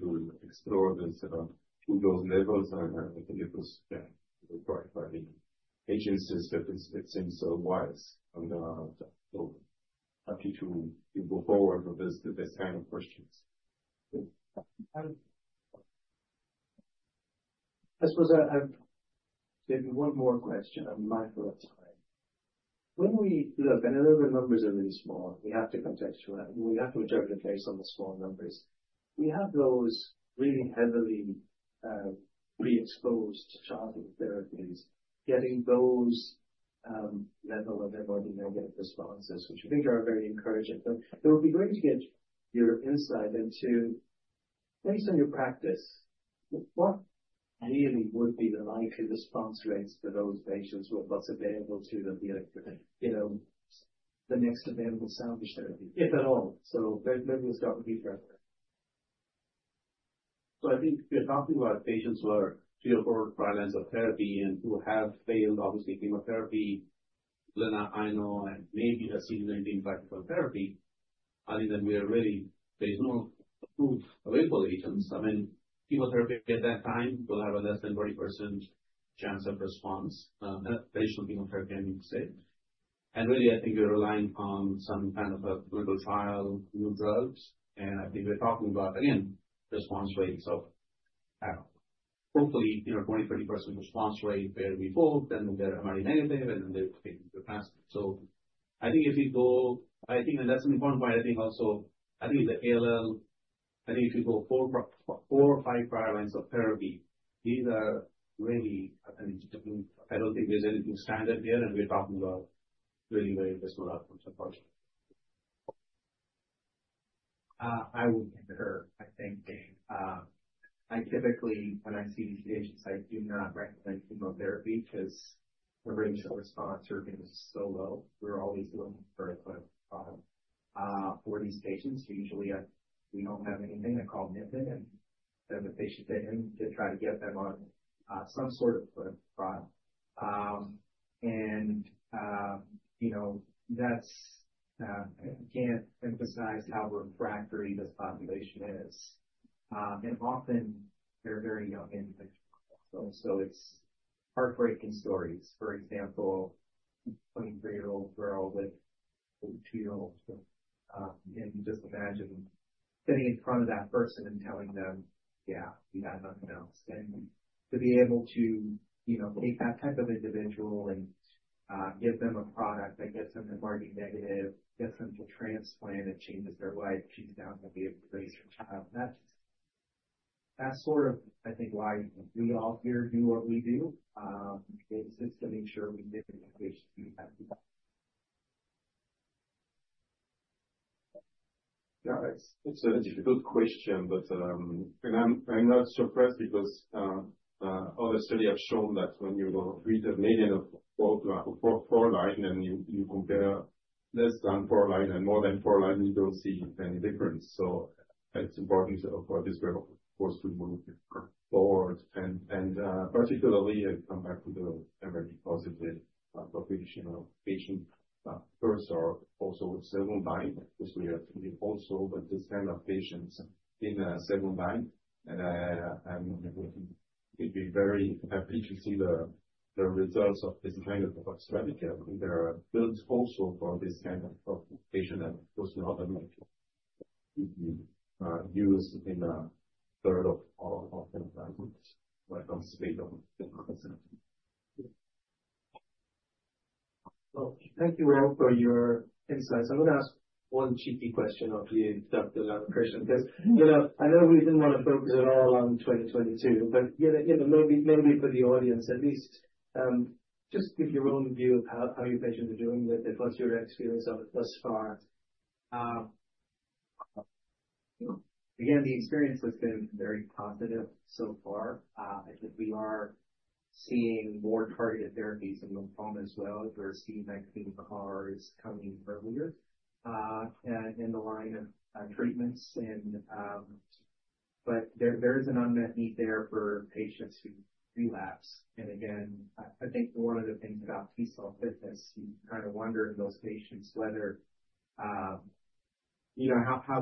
to explore this to those levels, and I think it was described by the agency that it seems wise, and I'm happy to go forward with this kind of questions. I suppose I have maybe one more question. I'm mindful of time. When we look, and I know the numbers are really small, we have to contextualize. We have to interpret the case on the small numbers. We have those really heavily pre-exposed childhood therapies getting those level of MRD negative responses, which I think are very encouraging. But it would be great to get your insight into, based on your practice, what really would be the likely response rates for those patients with what's available to them beyond the next available salvage therapy, if at all? So maybe we'll start with you, Dr. Ramakrishnan. So I think we're talking about patients who are still on trial lines of therapy and who have failed, obviously, chemotherapy, BlinCyto, and maybe a CD19 targeted therapy. I think that we are really, there is no proven available agents. I mean, chemotherapy at that time will have a less than 40% chance of response, additional chemotherapy, I mean, to say. And really, I think we're relying on some kind of a clinical trial, new drugs. And I think we're talking about, again, response rate. So hopefully, 20%-30% response rate where we hope, then we'll get MRD negative, and then they'll be transferred. So I think if we go, I think, and that's an important point. I think also I think the ALL, I think if you go four or five prior lines of therapy, these are really. I don't think there's anything standard here. And we're talking about really very reasonable outcomes for the project. I would concur, I think. I typically, when I see these patients, do not recommend chemotherapy because the rates of response are going to be so low. We're always looking for a clinical trial for these patients. Usually, we don't have anything that's called NIPTN. And then the patient then try to get them on some sort of clinical trial. And that's. I can't emphasize how refractory this population is. And often, they're very young individuals also. So it's heartbreaking stories. For example, a 23-year-old girl with a 22-year-old. And just imagine sitting in front of that person and telling them, "Yeah, we got nothing else." And to be able to take that type of individual and give them a product that gets them to MRD negative, gets them to transplant, it changes their life. She's now going to be able to raise her child. That's sort of, I think, why we all here do what we do. It's to make sure we make sure we have people. Yeah. It's a good question. But I'm not surprised because other studies have shown that when you read the median of four lines and you compare less than four lines and more than four lines, you don't see any difference. So it's important for this group, of course, to move forward. And particularly, I come back to the MRD positive population of patients first, or also with several lines, because we have also this kind of patients in several lines. And we'd be very happy to see the results of this kind of study. I think they're built also for this kind of patient that, of course, we also use in a third of all of our patients right now. Well, thank you all for your insights. I'm going to ask one cheeky question of you, Dr. Ramakrishnan, because I know we didn't want to focus at all on 2022. But maybe for the audience, at least, just give your own view of how your patients are doing with it. What's your experience of it thus far. Again, the experience has been very positive so far. I think we are seeing more targeted therapies in lymphoma as well. We're seeing that clinical trials coming earlier in the line of treatments. But there is an unmet need there for patients who relapse. And again, I think one of the things about T-cell fitness, you kind of wonder in those patients whether how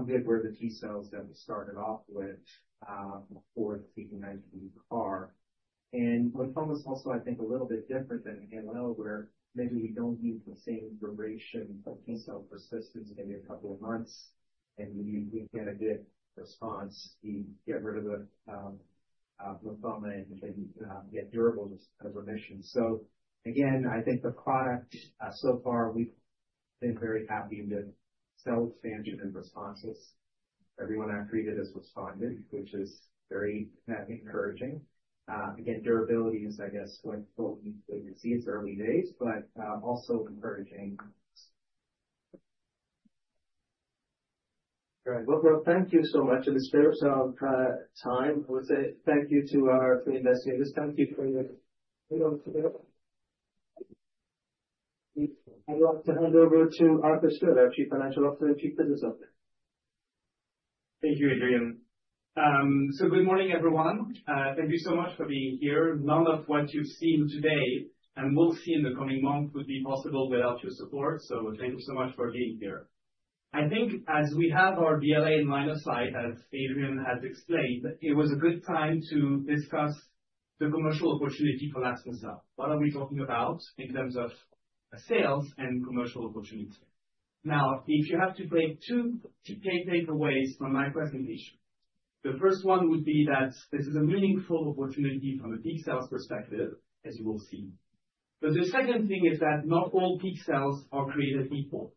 good were the T cells that we started off with for the CD19 CAR. And lymphoma is also, I think, a little bit different than ALL, where maybe we don't use the same duration of T-cell persistence maybe a couple of months. And we get a good response. We get rid of the lymphoma and get durable remission. So again, I think the product so far, we've been very happy with cell expansion and responses. Everyone I've treated has responded, which is very encouraging. Again, durability is, I guess, what we see in its early days, but also encouraging. All right. Thank you so much. It's a very short time. I would say thank you to our three investigators. Thank you for your. I'd like to hand over to Arthur Stril, Chief Financial Officer and Chief Business Officer. Thank you, Adrian. Good morning, everyone. Thank you so much for being here. None of what you've seen today and will see in the coming months would be possible without your support. Thank you so much for being here. I think as we have our BLA in line of sight, as Adrian has explained, it was a good time to discuss the commercial opportunity for UCART22. What are we talking about in terms of sales and commercial opportunity? Now, if you have to take two takeaways from my presentation, the first one would be that this is a meaningful opportunity from a peak sales perspective, as you will see. But the second thing is that not all peak sales are created equal.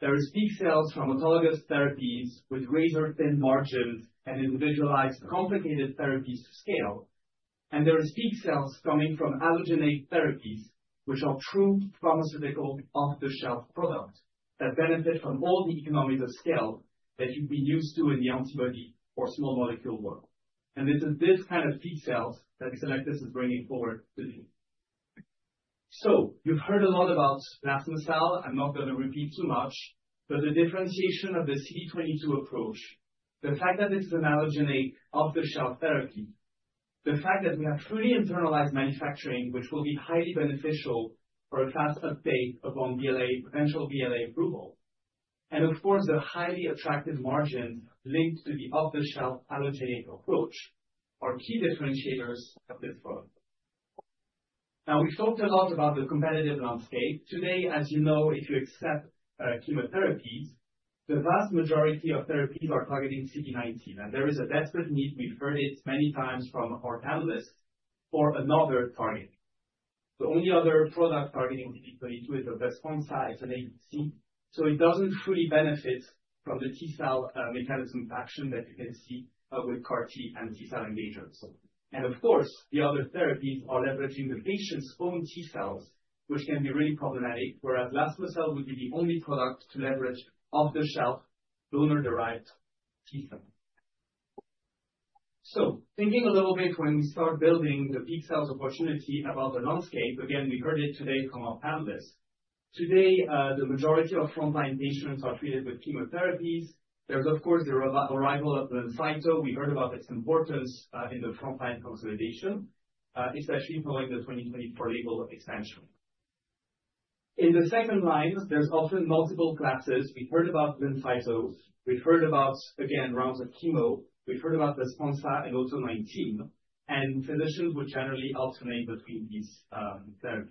There are peak sales from autologous therapies with razor-thin margins and individualized complicated therapies to scale. And there are peak sales coming from allogeneic therapies, which are true pharmaceutical off-the-shelf products that benefit from all the economies of scale that you've been used to in the antibody or small molecule world. And it is this kind of peak sales that Cellectis is bringing forward today. So you've heard a lot about this molecule. I'm not going to repeat too much. But the differentiation of the CD22 approach, the fact that this is an allogeneic off-the-shelf therapy, the fact that we have truly internalized manufacturing, which will be highly beneficial for a fast uptake upon potential BLA approval, and of course, the highly attractive margins linked to the off-the-shelf allogeneic approach are key differentiators of this product. Now, we've talked a lot about the competitive landscape. Today, as you know, if you accept chemotherapies, the vast majority of therapies are targeting CD19, and there is a desperate need, we've heard it many times from our panelists, for another target. The only other product targeting CD22 is Besponsa, an ADC, so it doesn't truly benefit from the T-cell mechanism of action that you can see with CAR-T and T-cell engagers. And of course, the other therapies are leveraging the patient's own T cells, which can be really problematic, whereas UCART22 would be the only product to leverage off-the-shelf donor-derived T cells. So thinking a little bit when we start building the peak sales opportunity about the landscape, again, we heard it today from our panelists. Today, the majority of frontline patients are treated with chemotherapies. There's, of course, the arrival of Blincyto. We heard about its importance in the frontline consolidation, especially following the 2024 label expansion. In the second line, there's often multiple classes. We've heard about Blincyto. We've heard about, again, rounds of chemo. We've heard about Besponsa and auto-CD19. And physicians would generally alternate between these therapies.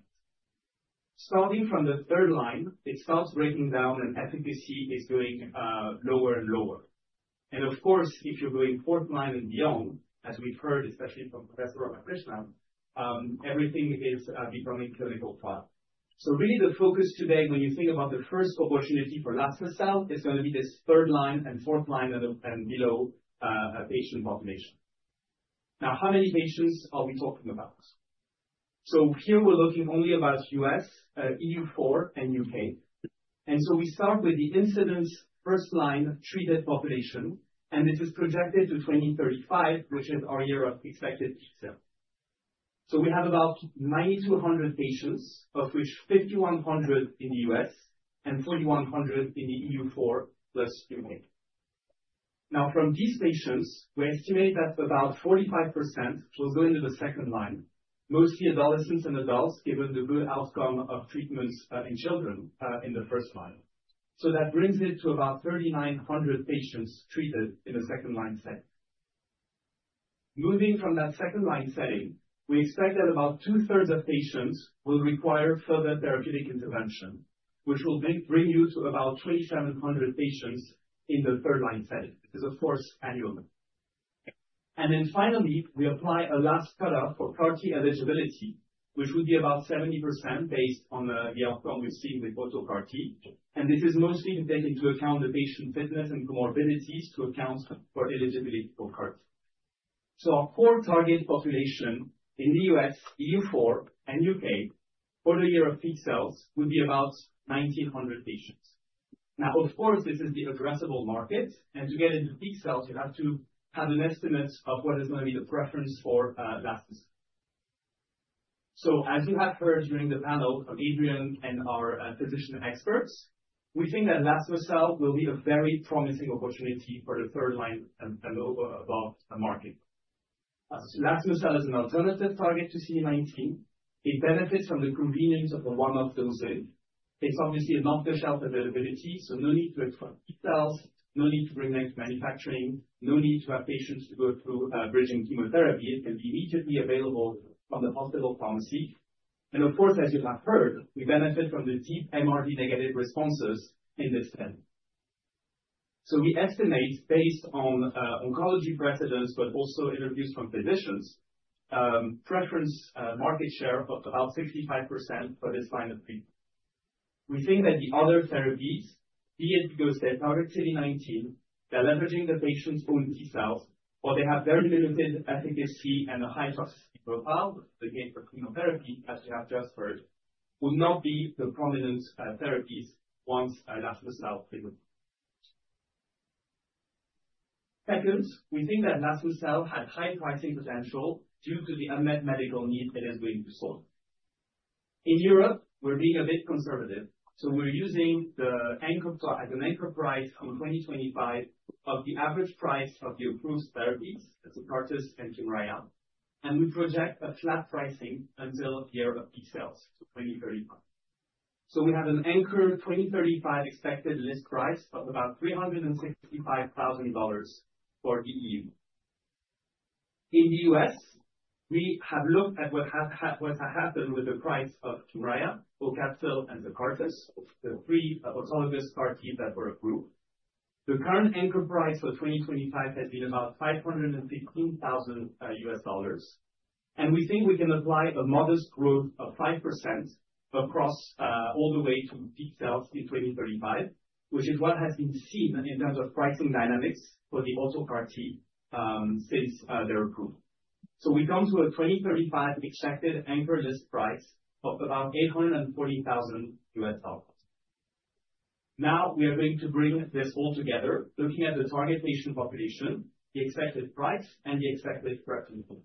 Starting from the third line, it starts breaking down, and efficacy is going lower and lower. And of course, if you're going fourth line and beyond, as we've heard, especially from Professor Ramakrishnan, everything is becoming clinical trial. So really, the focus today, when you think about the first opportunity for this molecule, is going to be this third line and fourth line and below patient population. Now, how many patients are we talking about? So here, we're looking only about U.S., EU4, and U.K. And so we start with the incidence first line treated population. And this is projected to 2035, which is our year of expected peak sales. So we have about 9,200 patients, of which 5,100 in the U.S. and 4,100 in the EU4 plus U.K. Now, from these patients, we estimate that about 45% will go into the second line, mostly adolescents and adults, given the good outcome of treatments in children in the first line. So that brings it to about 3,900 patients treated in the second line setting. Moving from that second line setting, we expect that about two-thirds of patients will require further therapeutic intervention, which will bring you to about 2,700 patients in the third line setting. This is, of course, annual. And then finally, we apply a last cut-off for CAR-T eligibility, which would be about 70% based on the outcome we've seen with Auto-CAR-T. And this is mostly to take into account the patient fitness and comorbidities to account for eligibility for CAR-T. So our core target population in the U.S., EU4, and U.K. for the year of peak sales would be about 1,900 patients. Now, of course, this is the addressable market. And to get into peak sales, you have to have an estimate of what is going to be the preference for this molecule. So as you have heard during the panel from Adrian and our physician experts, we think that UCART22 will be a very promising opportunity for the third-line and above market. UCART22 is an alternative target to CD19. It benefits from the convenience of the one-off dosing. It's obviously an off-the-shelf availability, so no need for apheresis, no need to bring them to manufacturing, no need to have patients to go through bridging chemotherapy. It can be immediately available from the hospital pharmacy. And of course, as you have heard, we benefit from the deep MRD-negative responses in this therapy. So we estimate, based on oncology precedents, but also interviews from physicians, preferred market share of about 65% for this line of treatment. We think that the other therapies, be it because they target CD19, they're leveraging the patient's own T cells, or they have very limited efficacy and a high toxicity profile, the case for chemotherapy, as you have just heard, would not be the prominent therapies once UCART22 is approved. Second, we think that UCART22 has high pricing potential due to the unmet medical need it is going to solve. In Europe, we're being a bit conservative. So we're using the anchor price in 2025 of the average price of the approved therapies that's CAR-T and Kymriah. And we project a flat pricing until year of peak sales to 2035. So we have an anchor 2035 expected list price of about $365,000 for the EU. In the U.S., we have looked at what has happened with the price of Kymriah, Yescarta, and the CAR-T, the three autologous CAR-Ts that were approved. The current anchor price for 2025 has been about $515,000, and we think we can apply a modest growth of 5% across all the way to peak sales in 2035, which is what has been seen in terms of pricing dynamics for the Auto-CAR-T since their approval, so we come to a 2035 expected anchor list price of about $840,000. Now, we are going to bring this all together, looking at the target patient population, the expected price, and the expected therapeutic need,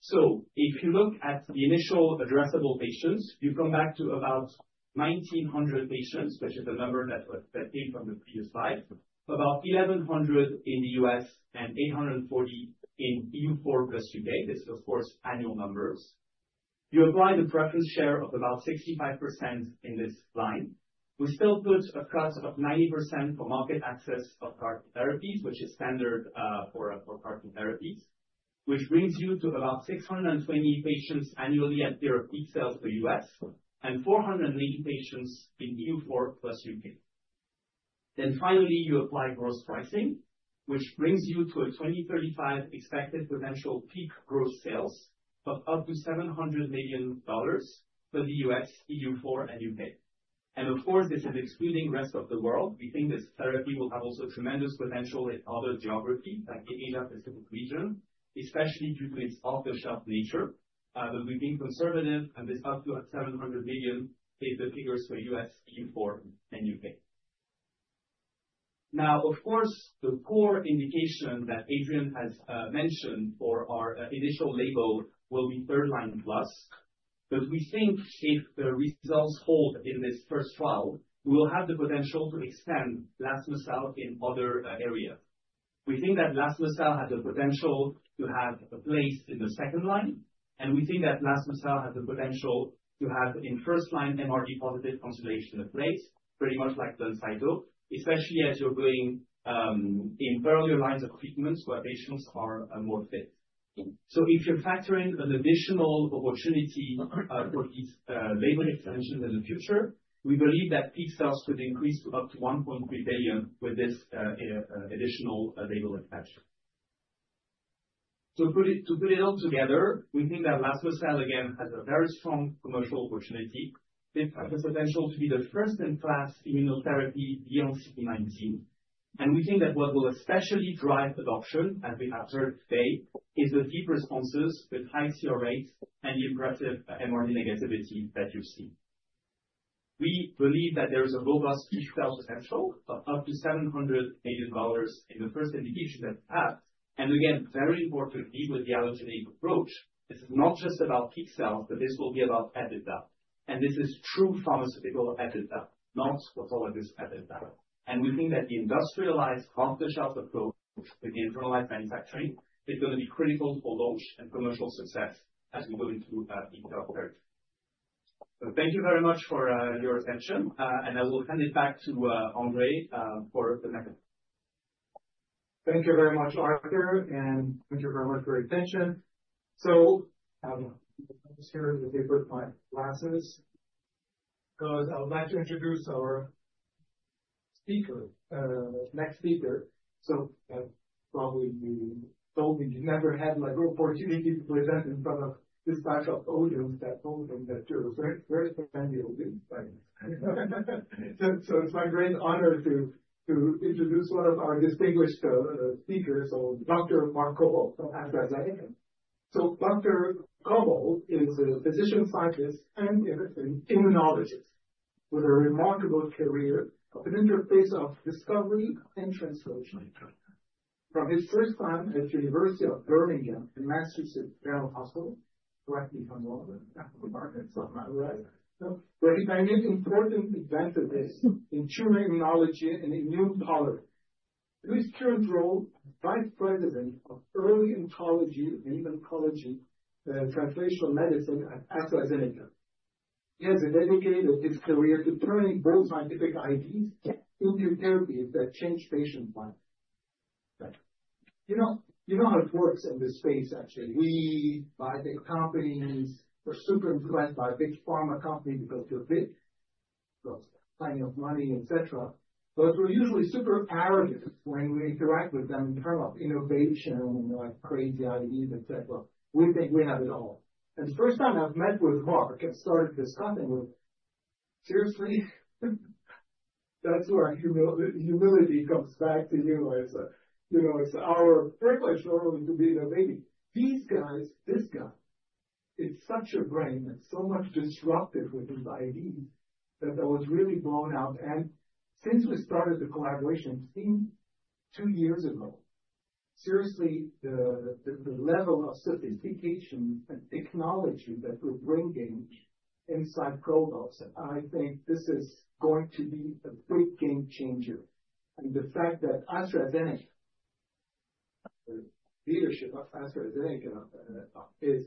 so if you look at the initial addressable patients, you come back to about 1,900 patients, which is the number that came from the previous slide, about 1,100 in the U.S. and 840 in EU4 plus UK. This is, of course, annual numbers. You apply the preference share of about 65% in this line. We still put a cut of 90% for market access of CAR-T therapies, which is standard for CAR-T therapies, which brings you to about 620 patients annually at year of peak sales for U.S. and 408 patients in EU4 plus U.K. Then finally, you apply gross pricing, which brings you to a 2035 expected potential peak gross sales of up to $700 million for the U.S., EU4, and U.K. And of course, this is excluding the rest of the world. We think this therapy will have also tremendous potential in other geographies, like the Asia-Pacific region, especially due to its off-the-shelf nature. But we've been conservative, and this up to $700 million is the figures for U.S., EU4, and U.K. Now, of course, the core indication that Adrian has mentioned for our initial label will be third-line plus. But we think if the results hold in this first trial, we will have the potential to extend UCART22 in other areas. We think that UCART22 has the potential to have a place in the second line. And we think that UCART22 has the potential to have a place in first-line MRD-positive consolidation, pretty much like Blincyto, especially as you're going in earlier lines of treatments where patients are more fit. So if you're factoring an additional opportunity for these label extensions in the future, we believe that peak sales could increase to up to $1.3 billion with this additional label extension. To put it all together, we think that UCART22, again, has a very strong commercial opportunity. It has the potential to be the first-in-class immunotherapy beyond CD19, and we think that what will especially drive adoption, as we have heard today, is the deep responses with high CR rates and the impressive MRD negativity that you've seen. We believe that there is a robust peak sales potential of up to $700 million in the first indication that we have, and again, very importantly, with the allogeneic approach, this is not just about peak sales, but this will be about EBITDA, and this is true pharmaceutical EBITDA, not autologous EBITDA, and we think that the industrialized off-the-shelf approach with the internalized manufacturing is going to be critical for launch and commercial success as we go into the third. Thank you very much for your attention, and I will hand it back to André for the next slide. Thank you very much, Arthur. And thank you very much for your attention. So I'm going to share the paper with my glasses. Because I would like to introduce our speaker, next speaker. So I probably told you you never had an opportunity to present in front of this type of audience that told him that you're a very friendly audience. So it's my great honor to introduce one of our distinguished speakers, Dr. Mark Cobbold. So Dr. Cobbold is a physician scientist and immunologist with a remarkable career at the interface of discovery and translation. From his first time at the University of Birmingham in Massachusets General Hospital, correct me if I'm wrong, where he made important advances in tumor immunology and immune control. His current role is Vice President, Early Oncology and Immunology Translational Medicine at AstraZeneca. He has dedicated his career to turning bold scientific ideas into therapies that change patient lives. You know how it works in this space, actually. We buy big companies. We're super impressed by a big pharma company because we're big, so plenty of money, et cetera. But we're usually super arrogant when we interact with them in terms of innovation, like crazy ideas, et cetera. We think we have it all. And the first time I've met with Mark and started discussing with him, seriously, that's where humility comes back to you. It's our privilege normally to be there. Maybe these guys, this guy, it's such a brain and so much disruptive with his ideas that I was really blown out. And since we started the collaboration I think two years ago, seriously, the level of sophistication and technology that we're bringing inside Cobbold's, I think this is going to be a big game changer. And the fact that AstraZeneca, the leadership of AstraZeneca, is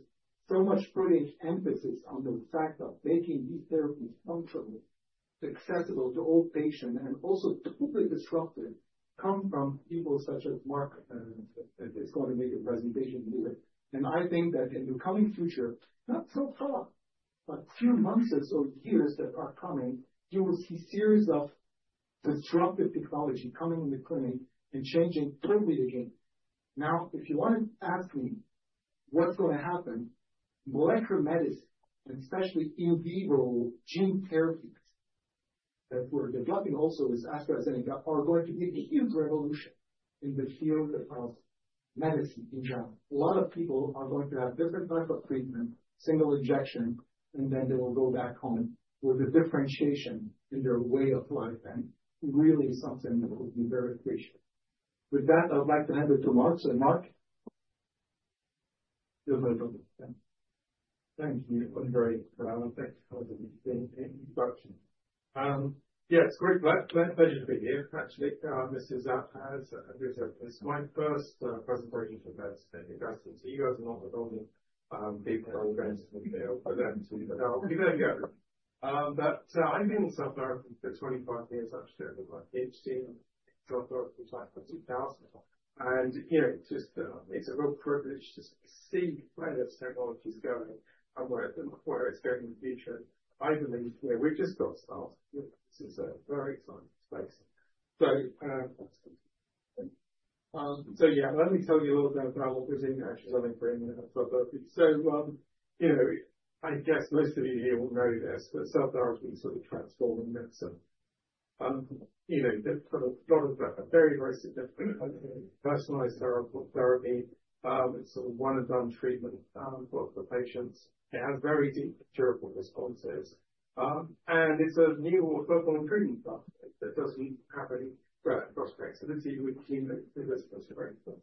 so much putting emphasis on the fact of making these therapies functional, accessible to all patients, and also totally disruptive come from people such as Mark. It's going to make a presentation here. And I think that in the coming future, not so far, but a few months or so years that are coming, you will see a series of disruptive technology coming in the clinic and changing totally the game. Now, if you want to ask me what's going to happen, molecular medicine, and especially in vivo gene therapies that we're developing also with AstraZeneca are going to be a huge revolution in the field of medicine in general. A lot of people are going to have different types of treatment, single injection, and then they will go back home with a differentiation in their way of life, and really, something that will be very appreciated. With that, I would like to hand it to Mark. So Mark, you're very welcome. Thank you. I'm very proud. Thank you for the introduction. Yeah, it's a great pleasure to be here, actually. This is a great first presentation for that, so you guys are not the only people who are going to be there for them too, but I'll be there to go. I've been in South America for 25 years, actually, with my PhD, so I've worked with like 20,000. Yeah, it's just a real privilege to see where this technology is going and where it's going in the future. I believe we've just got started. This is a very exciting space. Yeah, let me tell you a little bit about what we're doing actually for the clinic. I guess most of you here will know this, but cell therapy is sort of transforming medicine. There's a lot of very, very significant personalized therapy. It's sort of one-and-done treatment for patients. It has very deep, durable responses. It's a new orthopod treatment that doesn't have any gross flexibility with chemo resistance, for instance.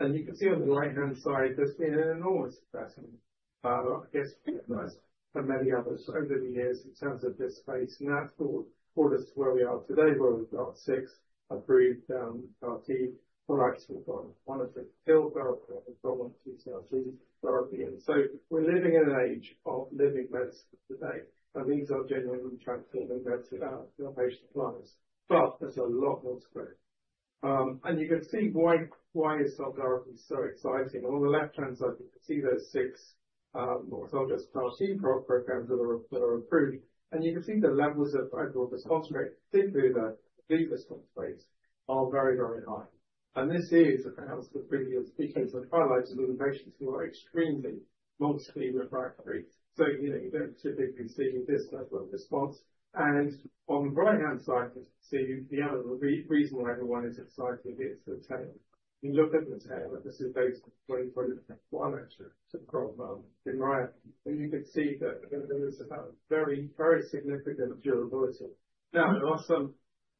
You can see on the right-hand side, there's been an enormous investment, I guess recognized by many others over the years in terms of this space. And that's brought us to where we are today, where we've got six approved CAR-T products. We've got one off-the-shelf therapy. And so we're living in an age of living medicine today. And these are genuinely transforming medicine for patient lives. But there's a lot more to go. And you can see why cell therapy is so exciting. On the left-hand side, you can see those six autologous CAR-T programs that are approved. And you can see the levels of overall response rate, particularly the lead response rates, are very, very high. And this is, perhaps the previous speakers have highlighted, with patients who are extremely multiply refractory. So you don't typically see this level of response. And on the right-hand side, you can see the other reason why everyone is excited is the tail. You look at the tail, and this is data from 2021, actually, from Kymriah, and you can see that there is a very, very significant durability. Now,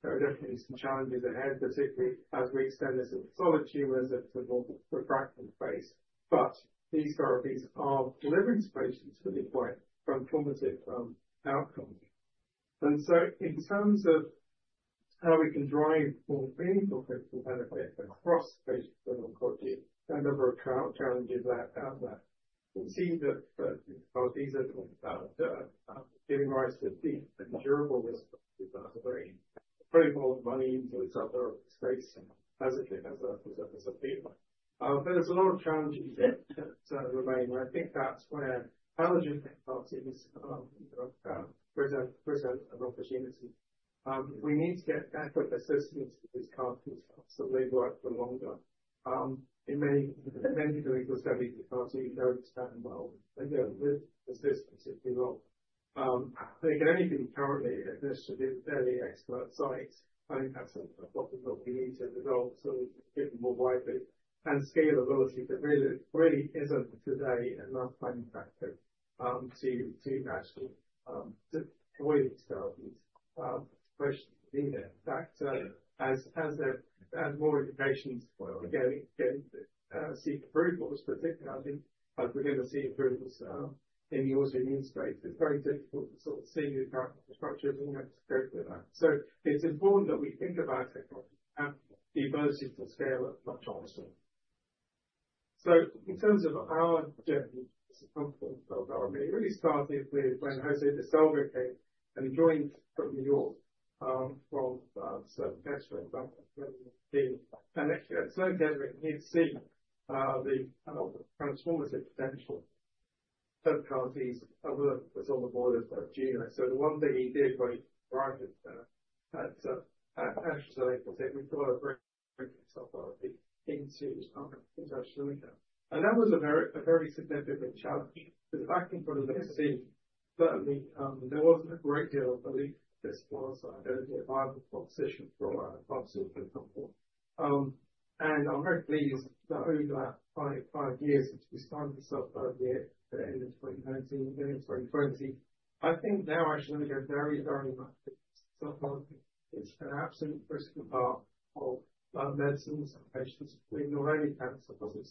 there are very definitely some challenges ahead, particularly as we extend this autologous tumor to more refractory phase. But these therapies are delivering to patients with a quite transformative outcome, and so in terms of how we can drive more clinical benefit across patients and autologous, a number of challenges out there. We've seen that these are giving rise to deep and durable responses. There's a very great flow of money into this other space as it has a field. But there's a lot of challenges that remain, and I think that's where allogeneic CAR-Ts present an opportunity. We need to get adequate assistance for these CAR-Ts to live life for longer. In many clinical studies, the CAR-T don't stand well. They don't live for the system too long. I think anything currently at this should be a fairly expert site. I think that's what we need to resolve, so we've given more widely and scalability, but really isn't today enough manufacturing to actually deploy these therapies, especially to be there. In fact, as more indications get seed approvals, particularly as we're going to see approvals in the autoimmune space, it's very difficult to sort of see the current structure of the next scope for that, so it's important that we think about technology and the ability to scale as much as possible. So in terms of our journey as a company for cell therapy, it really started with when José Baselga came and joined from New York from Sloan Kettering. And Sloan Kettering did see the transformative potential of CAR-Ts that were on the borders of gene. So the one thing he did when he arrived at AstraZeneca was saying, "We've got to bring cell therapy into industrial engine." And that was a very significant challenge. Because back in 2016, certainly, there wasn't a great deal of belief that this was a viable proposition for pharmaceutical companies. And I'm very pleased that over five years, which we started the cell therapy at the end of 2019, beginning of 2020, I think now actually we're going to get very, very much cell therapy. It's an absolute critical part of medicines and patients with neuronal cancer problems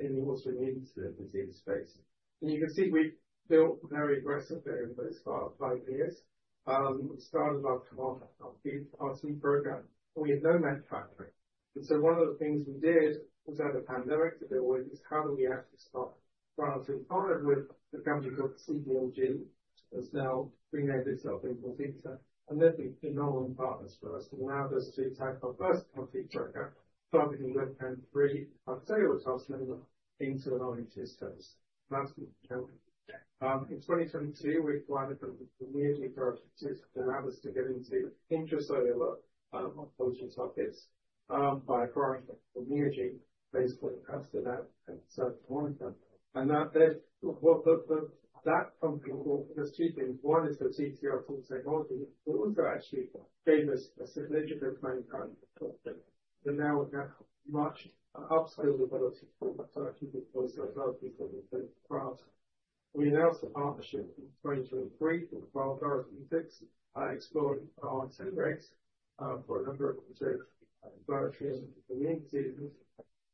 in the autoimmune disease space. And you can see we've built very aggressively over those five years. We started our CAR-T program. We had no manufacturing. And so one of the things we did was adapt to the pandemic to deal with is how do we actually start. Right. So we partnered with the company called CBMG, which has now renamed itself into AbelZeta. And they've been the number one partners for us. And now they're starting our first CAR-T program, starting with a three cellular cross-member into an RNG space. That's what we've done. In 2022, we acquired a company called Neogene Therapeutics, which allowed us to get into intracellular oncology targets by acquiring Neogene based on AstraZeneca and cell manufacturing. And that company brought us two things. One is the TCR-T technology, which also actually gave us a significant manufacturing footprint. So now we have much upscaled ability for cell therapy for the clients. We announced a partnership in 2023 for Quell Therapeutics, exploring RNA breaks for a number of conservative therapeutics and immune diseases.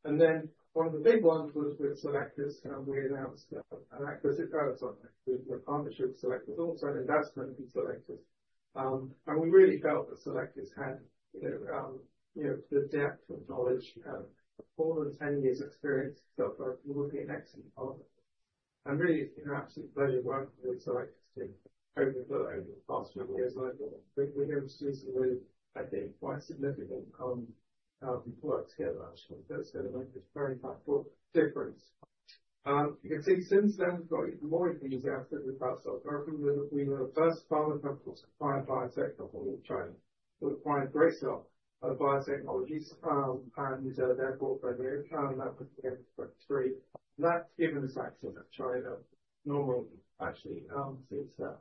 And then one of the big ones was with Cellectis. We announced an acquisition. We had a partnership with Cellectis. Also, an investment in Cellectis. And we really felt that Cellectis had the depth of knowledge and more than 10 years' experience. Cell therapy would be an excellent partner. And really, it's been an absolute pleasure working with Cellectis team over the past few years. And we've introduced a really, I think, quite significant work together, actually. That's going to make a very much more difference. You can see since then, we've got even more enthusiasm about cell therapy. We were the first pharma company to acquire biotech company in China. We acquired Gracell Biotechnologies and therefore Behavior and that put together a three. And that's given us access to China normally, actually,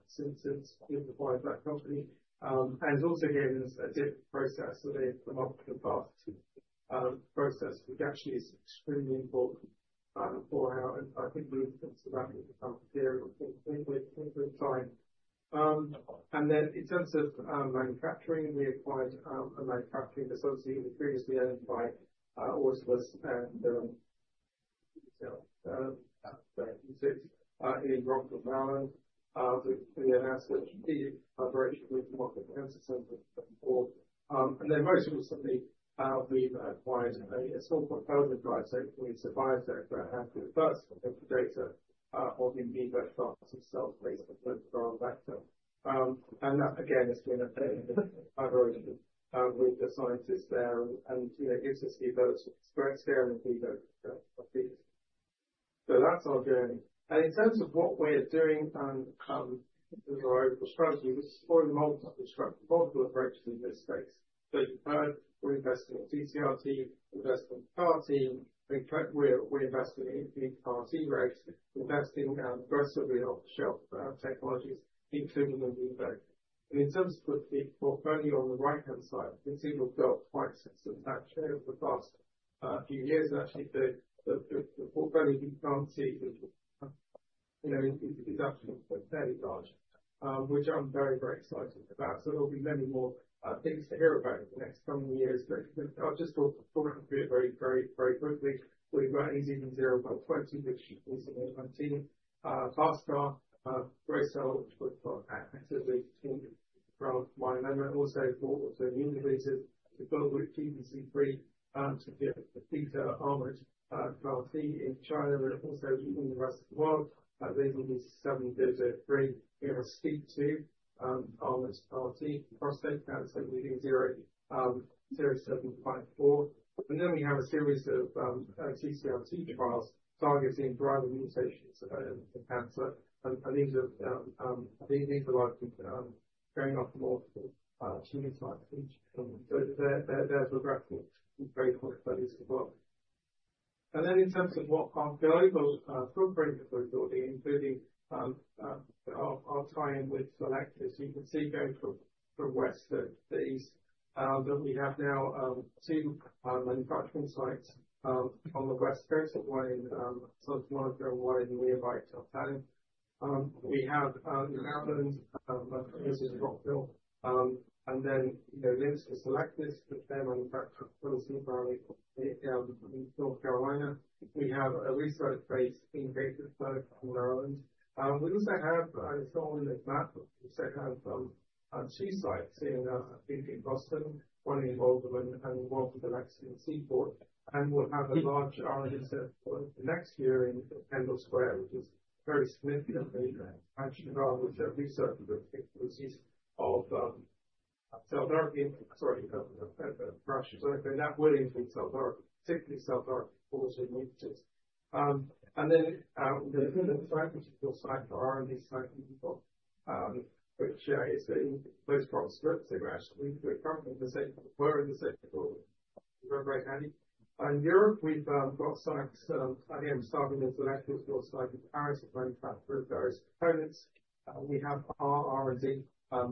since it's acquired that company. And it's also given us a different process that they've come up with the past two process, which actually is extremely important for how I think we've become clear with time. And then in terms of manufacturing, we acquired a manufacturing associate who was previously owned by autologous and cell therapeutics in Rockville, Maryland. We announced a key collaboration with the Roswell Park Cancer Center before. And then most recently, we've acquired a small proposal drive, so it's a biotech that has the first of the data on in vivo shots of cell space for cell therapy for our vector. And that, again, has been a very good collaboration with the scientists there. And it gives us the ability to scale in vivo therapy. So that's our journey. And in terms of what we're doing with our overall strategy, we're exploring multiple approaches in this space. So we're investing in TCRT, investing in CAR-T, we're investing in CAR-T rates, investing aggressively in off-the-shelf technologies, including in vivo therapy. And in terms of the portfolio on the right-hand side, you can see we've got quite a substantial share over the past few years. And actually, the portfolio you can't see is actually fairly large, which I'm very, very excited about. So there'll be many more things to hear about in the next coming years. But I'll just talk to the portfolio very, very, very quickly. We've got AZD0120, which is an anti-fast car, Gracell, which we've got actively in the ground for myeloma. And then also for autoimmune diseases, the GC012F to get the beta-armored CAR-T in China and also in the rest of the world. These are 703, you know, STEEP2 armored CAR-T, prostate cancer within 0.0754. And then we have a series of TCRT trials targeting driver mutations in cancer. And these are likely going off more genotypes. So there's a graphic of these as well. And then in terms of what our global footprint is going to be, including our tie-in with Cellectis, you can see going from west to east that we have now two manufacturing sites on the west coast, one in South America, one in nearby Teltani. We have in Maryland, this is Rockville. And then next is Cellectis, which they manufacture in North Carolina. We have a research base in Gaithersburg in Maryland. We also have, as I saw on the map, we also have two sites in Boston, one in Waltham and one in the Lexington Seaport, and we'll have a large RNA test for next year in Kendall Square, which is very significantly actually driving research and expectancies of cell therapy, sorry, brush, so that will include cell therapy, particularly cell therapy for autoimmunities, and then we've got a clinical site for RNA cyclical, which is the post-processed lipids, actually, which were in the same building, and Europe, we've got sites, again, starting with the next four sites in Paris that manufacture various components. We have our R&D site in Cambridge, and we have a significant number of cell therapy corporations. We have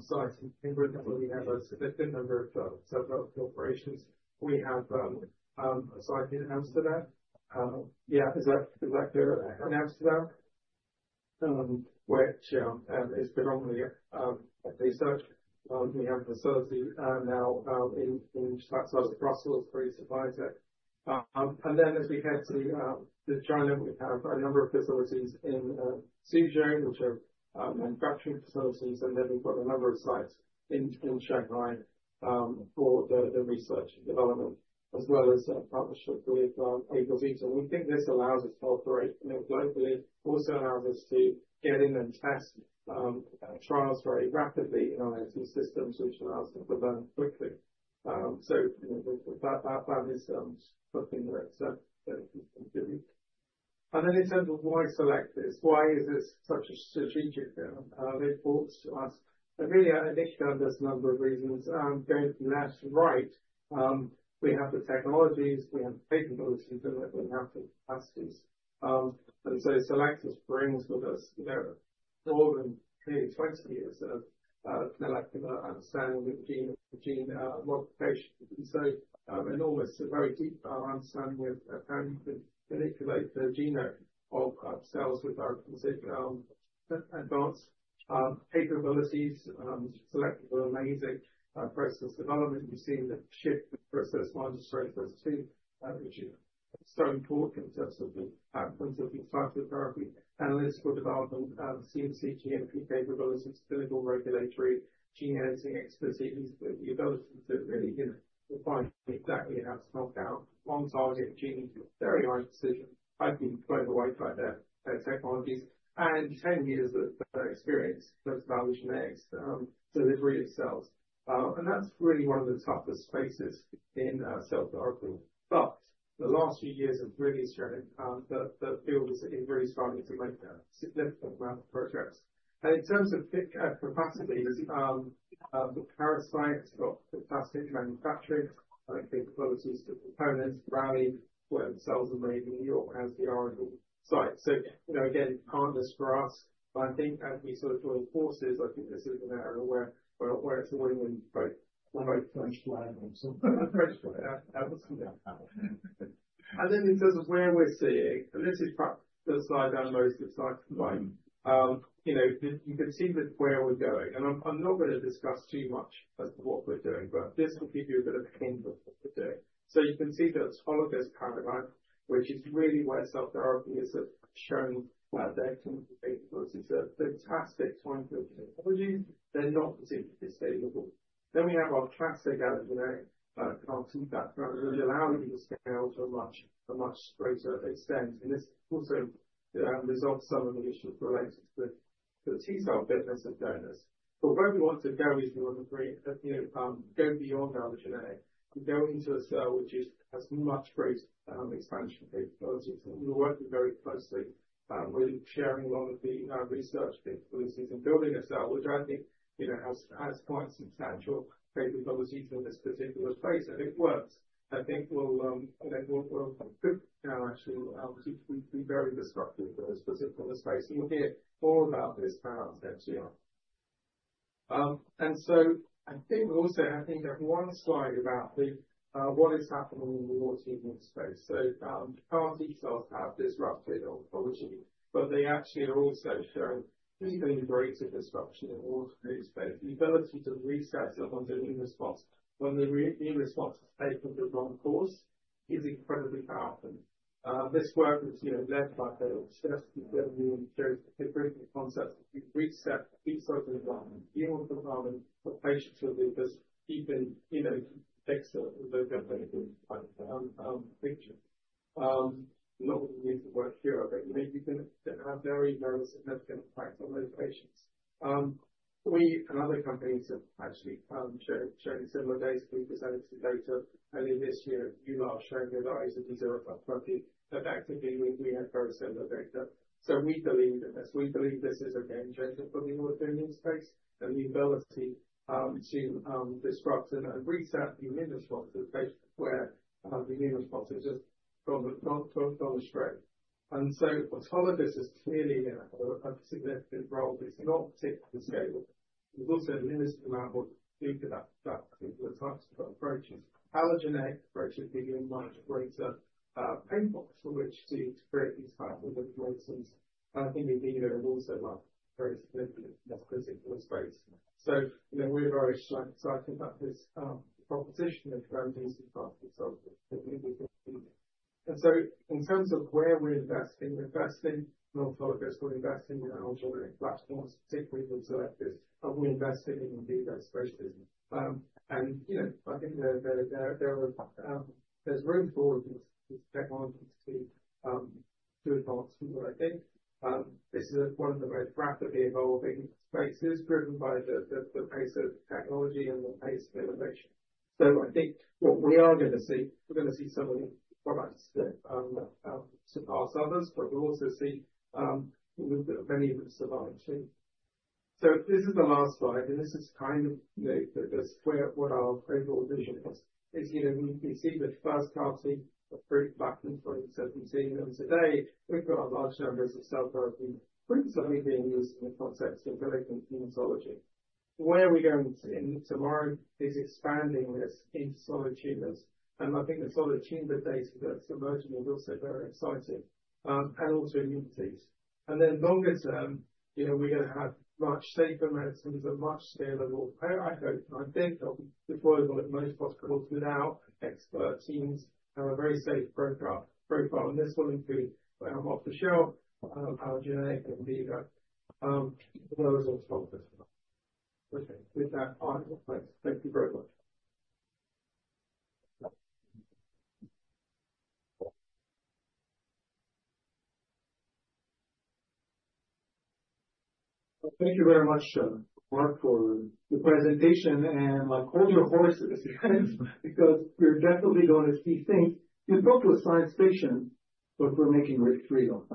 a site in Amsterdam. Yeah, is that clear? In Amsterdam, which is predominantly research. We have a facility now in Brussels, pretty surprising. And then as we head to China, we have a number of facilities in Suzhou, which are manufacturing facilities. And then we've got a number of sites in Shanghai for the research and development, as well as partnership with AbelZeta. We think this allows us to operate globally. It also allows us to get in and test trials very rapidly in our systems, which allows us to learn quickly. So that is something that's good. And then in terms of why Cellectis, why is this such a strategic big force to us? And really, I think there's a number of reasons. Going from left to right, we have the technologies, we have the capabilities, and we have the capacities. And so Cellectis brings with us more than nearly 20 years of molecular understanding of gene modification. And so enormous, a very deep understanding of how you can manipulate the genome of cells with our advanced capabilities. Cellectis are amazing process development. We've seen the shift with process monitoring tools, which is so important in terms of the cell therapy analytics for development, CMC, GMP capabilities, clinical regulatory gene editing expertise, the ability to really define exactly how to knock out on-target genes. Very exciting. I've been blown away by their technologies. And 10 years of experience. That's about the next-day delivery of cells. And that's really one of the toughest spaces in cell therapy. But the last few years have really shown that the field is really starting to make a significant amount of progress. And in terms of capacities, the Paris site's got fantastic manufacturing. I think the facilities to complement Raleigh where the cells are made in New York as the origin site. So again, partners for us. But I think as we sort of join forces, I think this is an area where it's a win-win for both. Almost French blend, and then in terms of where we're seeing, and this is the slide I'm most excited by, you can see where we're going. I'm not going to discuss too much as to what we're doing, but this will give you a bit of a hint of what we're doing. So you can see the autologous paradigm, which is really where cell therapy is showing that they're capable. It's a fantastic time for technology. They're not particularly stable. Then we have our classic allogeneic CAR-T that will allow you to scale to a much greater extent. This also resolves some of the issues related to the T cell fitness of donors. Where we want to go is we want to go beyond allogeneic and go into a cell which has much greater expansion capabilities. We're working very closely with sharing a lot of the research capabilities and building a cell, which I think has quite substantial capabilities in this particular space. It works. I think we'll now actually be very destructive in this particular space. We'll hear more about this paradigm next year. I think also, I think that one slide about what is happening in the autoimmune space. CAR-T cells have disrupted autophagy, but they actually are also showing even greater disruption in the autoimmune space. The ability to reset someone's immune response when the immune response has taken the wrong course is incredibly powerful. This work is led by Harold Chester. He's going to be introducing the concept of reset T cell development, immune development for patients with this deeply fixed autoimmune feature. Not all of these work here, but you can have very, very significant effects on those patients. We and other companies have actually shown similar data. We presented some data, and in this year, EULAR is showing the AZD0120, but actually, we have very similar data, so we believe in this. We believe this is a game changer for the autoimmune space and the ability to disrupt and reset the immune response of the patient where the immune response is just gone astray, and so autologous has clearly had a significant role. It's not particularly scalable. There's also a limited amount of people that take the types of approaches. Allogeneic approaches give you a much greater paintbox for which to create these kinds of regulations. I think in vivo is also very significant in this particular space, so we're very excited about this proposition and very enthusiastic about the cell therapy, and so in terms of where we're investing, we're investing in autologous. We're investing in our autoimmune platforms, particularly with Cellectis. We're investing in in vivo spaces, and I think there's room for these technologies to advance more. I think this is one of the most rapidly evolving spaces driven by the pace of technology and the pace of innovation, so I think what we are going to see, we're going to see some of these products that surpass others, but we'll also see many of them survive too, so this is the last slide, and this is kind of what our overall vision is. We see the first CAR-T approved back in 2017, and today we've got a large number of cell therapy principally being used in the context of delivering hematology. Where we're going to tomorrow is expanding this into solid tumors, and I think the solid tumor data that's emerging is also very exciting, and also immunities, and then longer term we're going to have much safer medicines and much scalable, I hope, and I think deployable at most hospitals without expert teams and a very safe profile, and this will include off-the-shelf, allogeneic and in vivo. Those autologous. Okay. With that, I thank you very much. Thank you very much for the presentation and my all your voices because we're definitely going to see things. We've got to a science fiction, but we're making it real.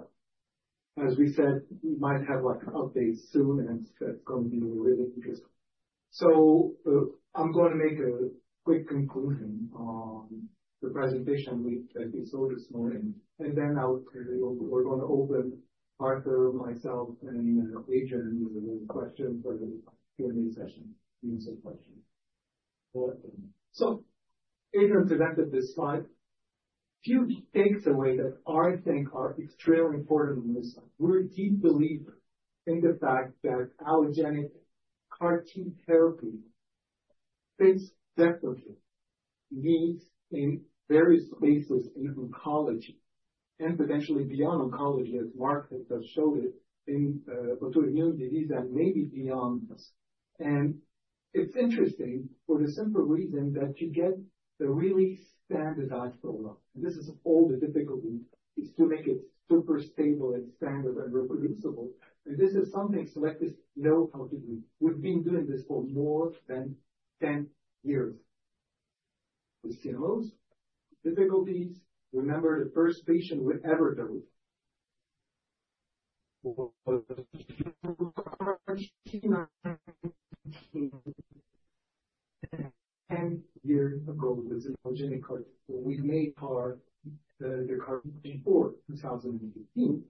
As we said, we might have updates soon, and it's going to be really interesting. So I'm going to make a quick conclusion on the presentation we did this morning. And then we're going to open Arthur, myself, and Adrian to questions for the Q&A session. So Adrian presented this slide. A few takeaways that I think are extremely important in this slide. We're deep believers in the fact that allogeneic CAR-T therapy fits definite needs in various spaces in oncology and potentially beyond oncology, as Mark has showed it, in autoimmune disease and maybe beyond. And it's interesting for the simple reason that you get a really standardized program. And this is all the difficulty is to make it super stable and standard and reproducible. And this is something Cellectis knows how to do. We've been doing this for more than 10 years. We've seen those difficulties. Remember the first patient we ever dealt with was 10 years ago with autologous CAR-T. We made CAR-T before 2018.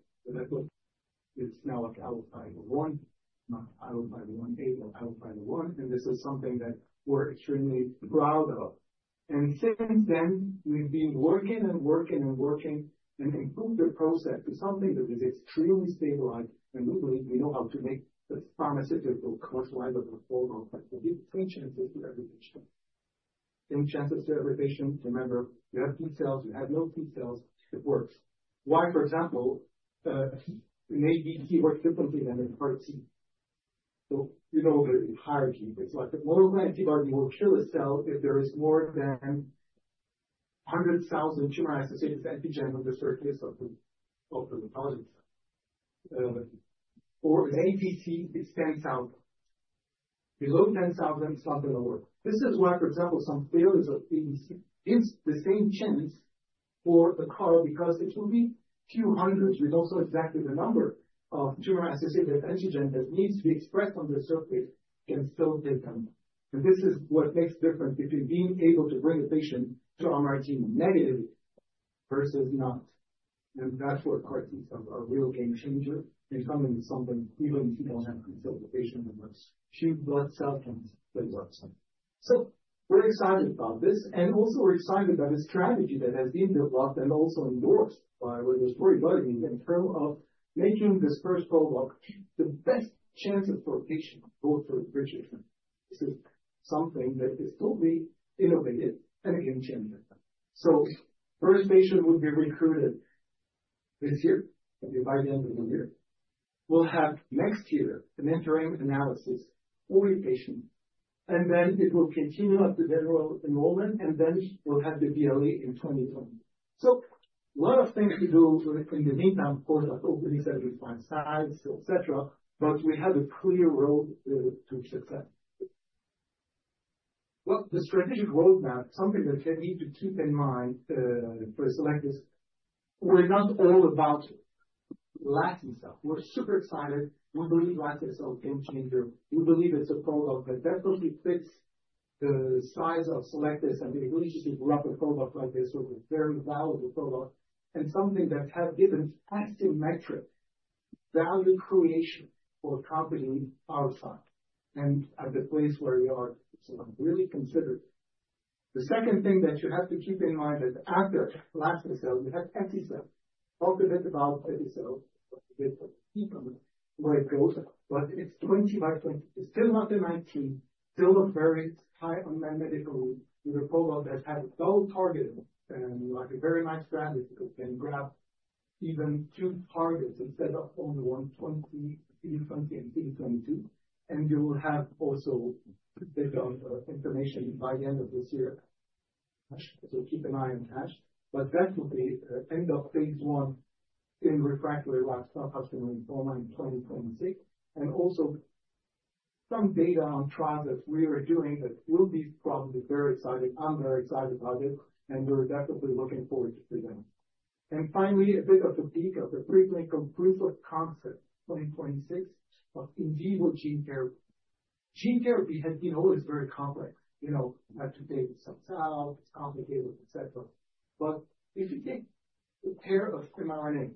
It's now like alpha-1, not alpha-1a, but alpha-1. And this is something that we're extremely proud of. And since then, we've been working and working and working and improved the process to something that is extremely stabilized. And we believe we know how to make the pharmaceutical commercializable program. We'll give two chances to every patient. Give them chances to every patient. Remember, you have T cells. You have no T cells. It works. Why, for example, an ABC works differently than a CAR-T? So you know the hierarchy. It's like a monoclonal antibody will kill a cell if there is more than 100,000 tumor-associated antigen on the surface of the autologous cell. Or an ABC, it stands out. Below 10,000, it's not going to work. This is why, for example, some failures of ADC give the same chance for the CAR because it will be a few hundreds. We don't know exactly the number of tumor-associated antigen that needs to be expressed on the surface, can still take them, and this is what makes the difference between being able to bring a patient to MRD negativity versus not, and that's where CAR-T cells are a real game changer. They come in with something even if you don't have a consolidation and a few blood cells, it works, so we're excited about this, and also, we're excited about the strategy that has been developed and also endorsed by William Blair in terms of making this first program the best chances for patients both for the future. This is something that is totally innovative and a game changer. So the first patient will be recruited this year, by the end of the year. We'll have next year an interim analysis for the patient. And then it will continue up to general enrollment. And then we'll have the BLA in 2020. So a lot of things to do in the meantime, of course, like opening 75 sites, et cetera. But we have a clear road to success. Well, the strategic roadmap, something that we need to keep in mind for Cellectis, we're not all about TALEN stuff. We're super excited. We believe TALEN is a game changer. We believe it's a program that definitely fits the size of Cellectis. And we really just need to run a program like this with a very valuable program and something that has given fantastic market value creation for a company outsized and at the stage where we are really considered. The second thing that you have to keep in mind is after UCART22, you have Epicel. Talk a bit about Epicel. We'll see where it goes, but it's 20x22. It's still not the 19. Still a very high unmet need with a program that has double targeting, and you have a very nice strategy because you can grab even two targets instead of only one, CD20 and CD22, and you will have also a bit of information by the end of this year. So keep an eye on that, but that will be the end of phase I in refractory r/r B-cell ALL in 2026. And also some data on trials that we are doing that will be probably very exciting. I'm very excited about it, and we're definitely looking forward to presenting. And finally, a bit of the peak of the pre-clinical proof of concept 2026 of in vivo gene therapy. Gene therapy has been always very complex. You know, to take the cells out, it's complicated, et cetera. But if you take a pair of mRNA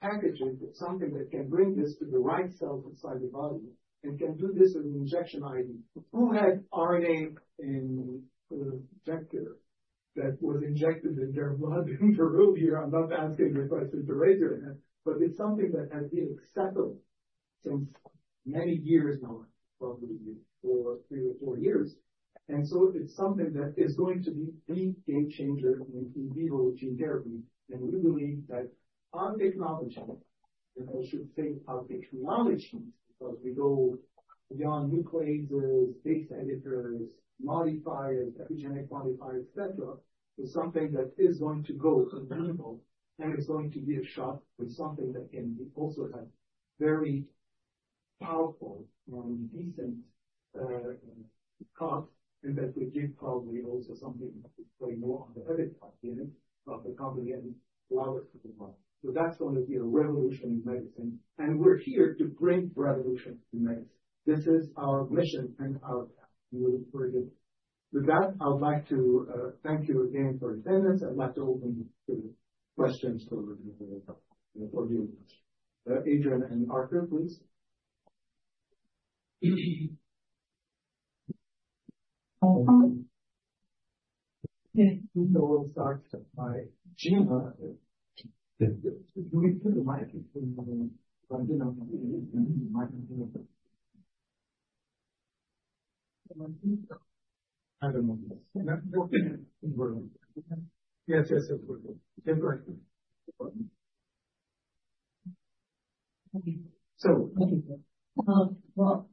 packages, it's something tha It's something that is going to go in vivo and is going to be a shock with something that can also have very powerful and decent cut and that will give probably also something that we know on the other side of the company and allow it to develop. So that's going to be a revolution in medicine, and we're here to bring revolution in medicine. This is our mission and our path. We will bring it. With that, I would like to thank you again for attendance. I'd like to open to questions for the viewers. Adrian and Arthur, please, so we'll start by Gina. I don't know. Yes, yes, yes. Okay, so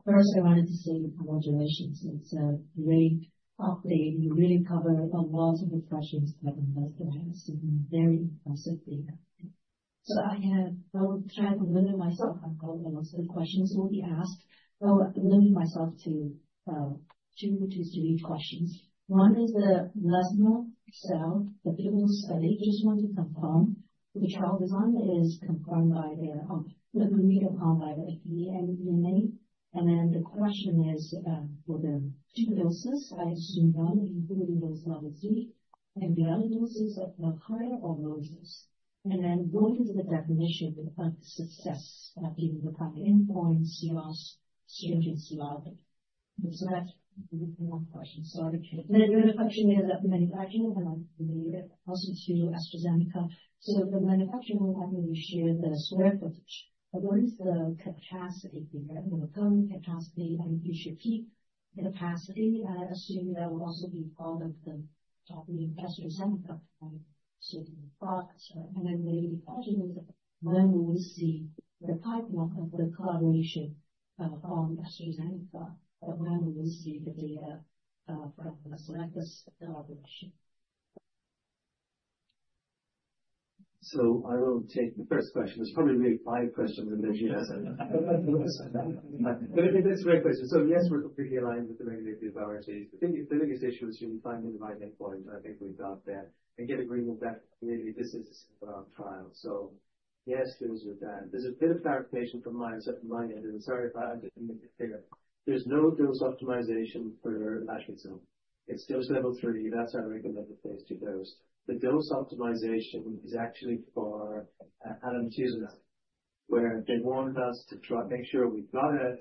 first, I wanted to say congratulations. It's a great update. You really cover a lot of the questions that I've invested in. It's very impressive data, so I have tried to limit myself. I know a lot of the questions will be asked. I'll limit myself to two to three questions. One is the lasme-cel, the pivotal study, just want to confirm. The trial design is confirmed, agreed upon by the FDA and the EMA. Then the question is for the two doses, I assume one including dose level three, and the other doses are higher or lower dose. Then what is the definition of success given the kind of endpoints, CRs, CRis, CR? So that's one question. So I'll get to it. Then the other question is about the manufacturing and also to AstraZeneca. So the manufacturing will have to share the sq ft. But what is the capacity here? The current capacity and future peak capacity, I assume that will also be part of the topic of AstraZeneca and certain products. And then the question is, when will we see the pipeline of the collaboration on AstraZeneca? When will we see the data from Cellectis collaboration? So I will take the first question. There's probably going to be five questions and then Gina's going to answer. That's a great question. So yes, we're completely aligned with the regulatory authorities. The biggest issue is you're finding the right endpoint. I think we've got that. And get agreement that really this is a trial. So yes, there's a bit of clarification from my end. And sorry if I didn't make it clear. There's no dose optimization for AstraZeneca. It's dose level three. That's our recommended phase II dose. The dose optimization is actually for alemtuzumab, where they want us to try to make sure we've got a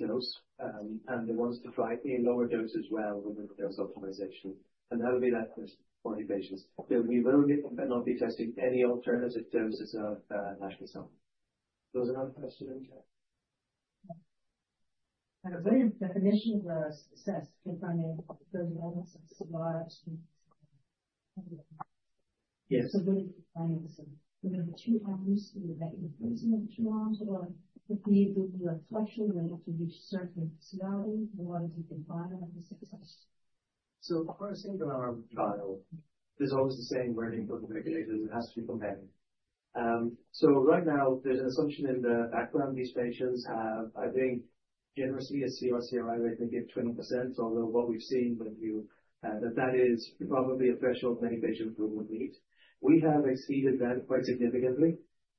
dose. And they want us to try a lower dose as well within the dose optimization. And that'll be that for the patients. We will not be testing any alternative doses of AstraZeneca. Those are my questions. What is the definition of success? Defining the development of Servier. Yes. So what is defining the success? Within the two hours, would that be frozen at two hours or would it be with the reflection when it reaches a certain severity? What is the defining of the success? So first thing in our trial, there's always the same wording for the regulators. It has to be compelling. So right now, there's an assumption in the background these patients have, I think, generously a CR/CRi rate maybe of 20%, although what we've seen with you, that that is probably a threshold many patients will meet. We have exceeded that quite significantly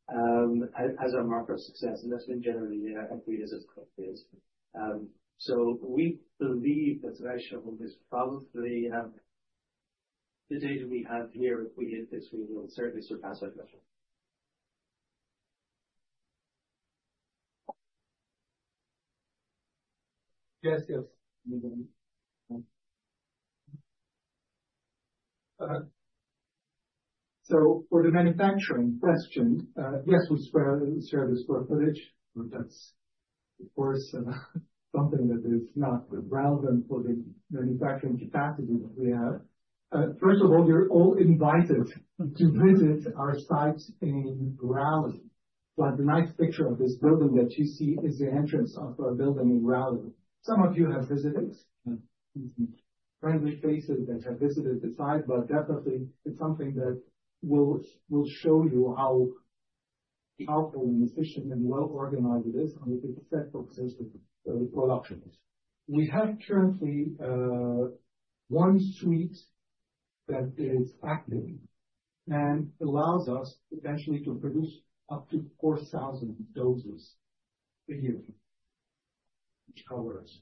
as our marker of success, and that's been generally agreed as it is, so we believe that threshold is probably the data we have here, if we hit this, we will certainly surpass our threshold. Yes, yes, so for the manufacturing question, yes, we share the square footage. That's, of course, something that is not relevant for the manufacturing capacity that we have. First of all, you're all invited to visit our site in Raleigh, but the nice picture of this building that you see is the entrance of our building in Raleigh. Some of you have visited. Friendly faces that have visited the site, but definitely, it's something that will show you how powerful and efficient and well-organized it is and if it's set for successful production. We have currently one suite that is active and allows us potentially to produce up to 4,000 doses a year, which covers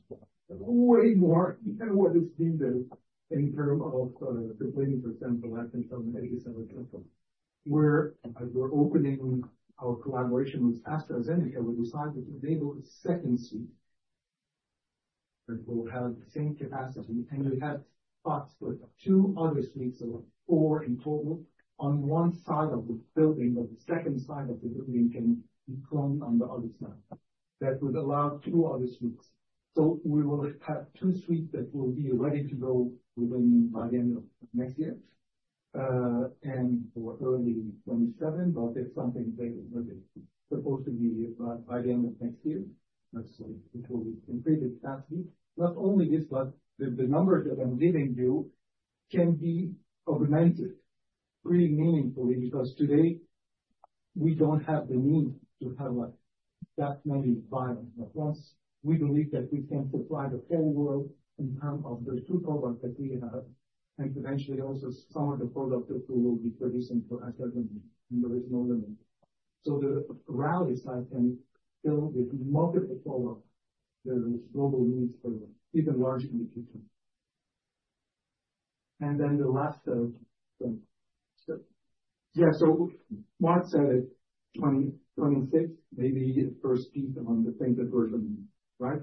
way more than what is being built in terms of the 20%-87%. We're opening our collaboration with AstraZeneca. We decided to enable a second suite, and we'll have the same capacity. We have thoughts with two other suites, four in total, on one side of the building, but the second side of the building can be cloned on the other side. That would allow two other suites. We will have two suites that will be ready to go by the end of next year and for early 2027, but it's something they will be supposed to be by the end of next year. That's the completed capacity. Not only this, but the numbers that I'm giving you can be augmented pretty meaningfully because today, we don't have the need to have that many vials. But once we believe that we can supply the whole world in terms of the two products that we have and eventually also some of the products that we will be producing for AstraZeneca, there is no limit. So the Raleigh site can fill with multiple products. There is global need for even larger in the future. And then the last step. Yeah, so Mark said it, 2026, maybe the first piece on the things that we're doing, right?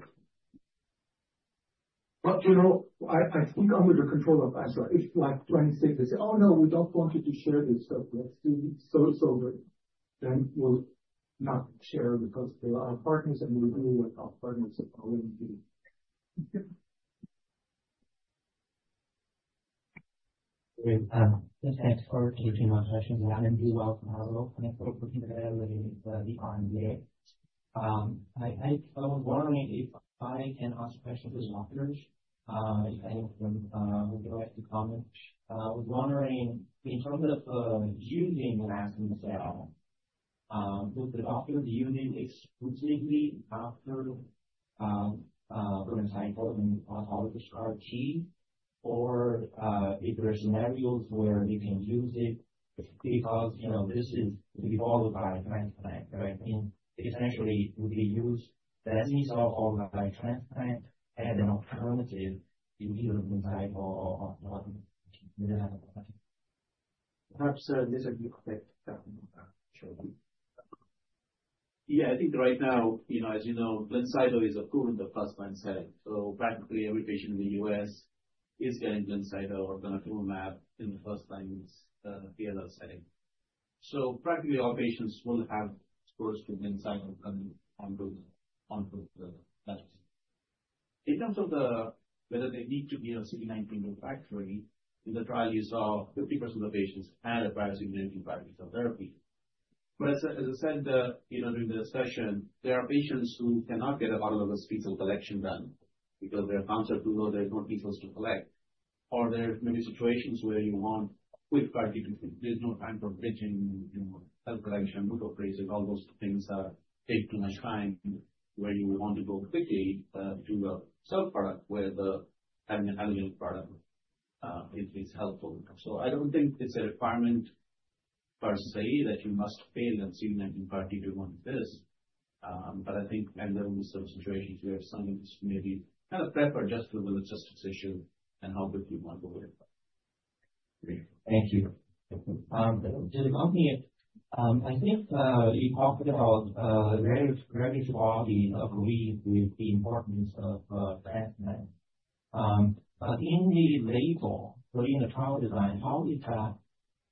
But you know, I think under the control of Astra, it's like 26, they say, "Oh, no, we don't want you to share this stuff. Let's do it," so then we'll not share because they are our partners and we'll do what our partners are willing to do. Thanks for taking my question. I'm Allen. I work with the Baird. I was wondering if I can ask questions to the doctors, if any of them would like to comment. I was wondering, in terms of using the AstraZeneca, would the doctors use it exclusively after for inotuzumab ozogamicin, or if there are scenarios where they can use it because this is to be followed by a transplant, right? I mean, essentially, it would be used as a result followed by a transplant and an alternative to either Blincyto or oncology. Perhaps Lisa can clarify that. Yeah, I think right now, as you know, Blincyto is a proven first-line setting. So practically, every patient in the U.S. is getting Blincyto or inotuzumab in the first-line B-ALL setting. So practically, all patients will have exposure to Blincyto and to the medicine. In terms of whether they need to be on CD19 refractory, in the trial, you saw 50% of the patients had a prior CD19 bispecific therapy. But as I said during the session, there are patients who cannot get a lot of those apheresis collection done because their counts are too low. There are no apheresis to collect. Or there are many situations where you want a quick CAR-T. There's no time for bridging, cell collection, root operations. All those things take too much time where you want to go quickly to a cell product where the allogeneic product is helpful. So I don't think it's a requirement per se that you must fail at CD19 CAR-T for this. But I think there will be some situations where some maybe kind of prefer just the logistics issue and how good you want to go with it. Thank you to the company. I think you talked about the greater quality agreed with the importance of the FDA. But in the label, so in the trial design, how is that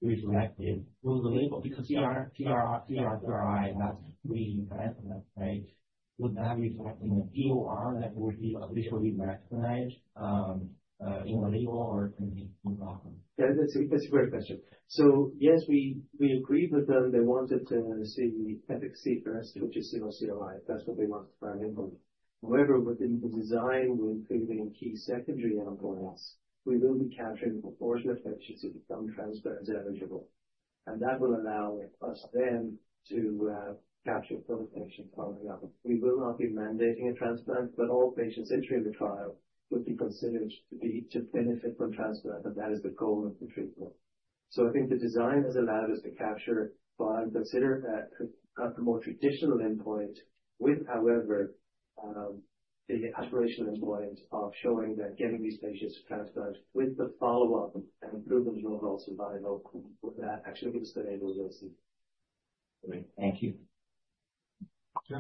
reflected? Will the label, because CR/CRi, that's the FDA, right? Would that reflect in the DOR that will be officially recognized in the label or in the document? That's a great question. So yes, we agreed with them. They wanted to see efficacy first, which is CR/CRi. That's what they want to try to implement. However, within the design, we're including key secondary endpoints. We will be capturing CR efficacy for transplant-eligible. And that will allow us then to capture for the patients following up. We will not be mandating a transplant, but all patients entering the trial would be considered to benefit from transplant, and that is the goal of the treatment. So I think the design has allowed us to capture. But consider that at the more traditional endpoint, with, however, the aspirational endpoint of showing that getting these patients to transplant with the follow-up and improving the overall survival, that actually gives the label this. Great. Thank you. Thank you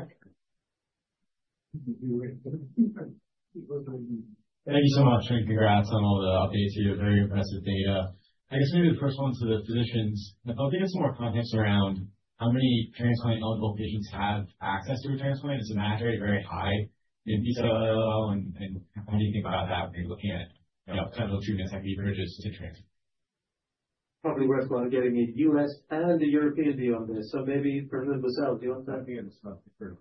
so much. Congrats on all the updates here. Very impressive data. I guess maybe the first one to the physicians, I'd love to get some more context around how many transplant-eligible patients have access to a transplant. Is the match rate very high in B-ALL? And how do you think about that when you're looking at clinical treatments that can be bridged to transplant? Probably worthwhile getting the U.S. and the European view on this. So maybe for Liz, what's that? Do you want that? Yeah, that's not different.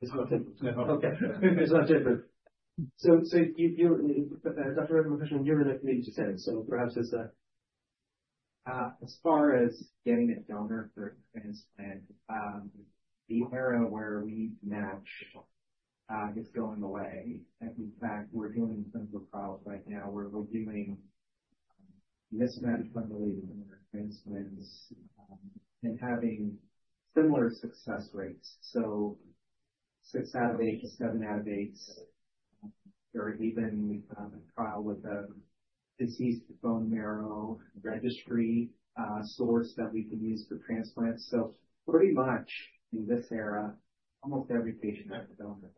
It's not different. It's not different. So Dr. Riedell, my question, you're in the community setting. So perhaps as far as getting a donor for a transplant, the era where we match is going away. In fact, we're doing clinical trials right now where we're doing mismatch-friendly donor transplants and having similar success rates. So six out of eight to seven out of eight, or even a trial with a deceased bone marrow registry source that we can use for transplants. So pretty much in this era, almost every patient has a donor.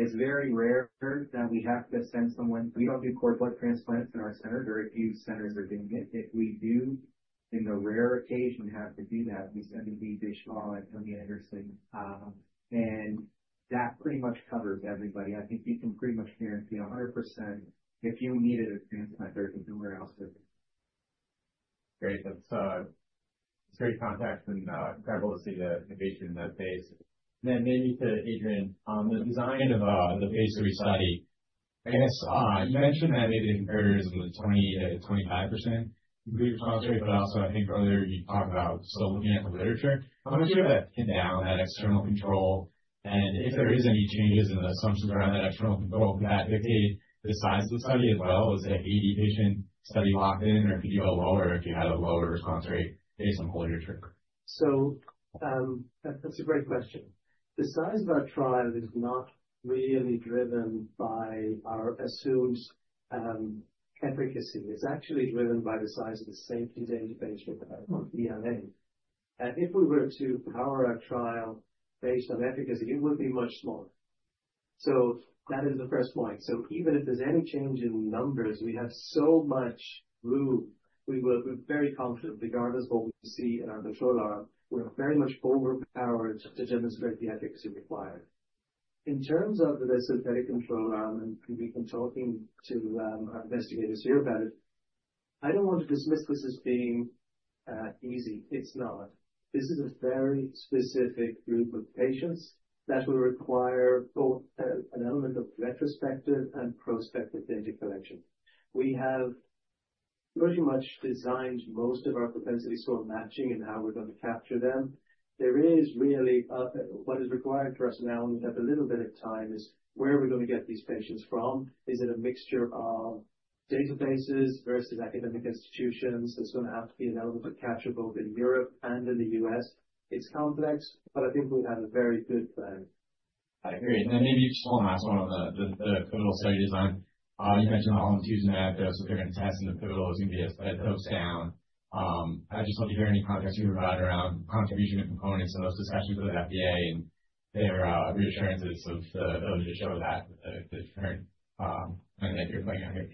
It's very rare that we have to send someone. We don't do cord blood transplants in our center. Very few centers are doing it. If we do, in the rare occasion we have to do that, we send in the additional online committee at your site, and that pretty much covers everybody. I think you can pretty much guarantee 100% if you needed a transplant, there's nowhere else to. Great. That's great context and incredible to see the patient in that phase, and then maybe to Adrian, the design of the phase III study. I guess you mentioned that it incurs with 20%-25% complete response rate, but also I think earlier you talked about still looking at the literature. I'm not sure if that's pinned down that external control, and if there are any changes in the assumptions around that external control that dictate the size of the study as well. Was it an 80-patient study locked in, or could you go lower, or if you had a lower response rate based on the literature? So that's a great question. The size of our trial is not really driven by our assumed efficacy. It's actually driven by the size of the safety data patient on ELA. And if we were to power our trial based on efficacy, it would be much smaller. So that is the first point. So even if there's any change in numbers, we have so much room. We're very confident regardless of what we see in our control arm. We're very much overpowered to demonstrate the efficacy required. In terms of the synthetic control arm, and we've been talking to our investigators here about it. I don't want to dismiss this as being easy. It's not. This is a very specific group of patients that will require both an element of retrospective and prospective data collection. We have pretty much designed most of our propensity score matching and how we're going to capture them. There is really what is required for us now, and we have a little bit of time, is where are we going to get these patients from? Is it a mixture of databases versus academic institutions? It's going to have to be an element of capture both in Europe and in the U.S. It's complex, but I think we have a very good plan. I agree. And then maybe just one last one on the pivotal study design. You mentioned the Helms-Tewson ad dose that they're going to test in the pivotal is going to be a dose down. I'd just love to hear any context you provide around contribution to components and those discussions with the FDA and their reassurances of the ability to show that the current plan that you're playing out here?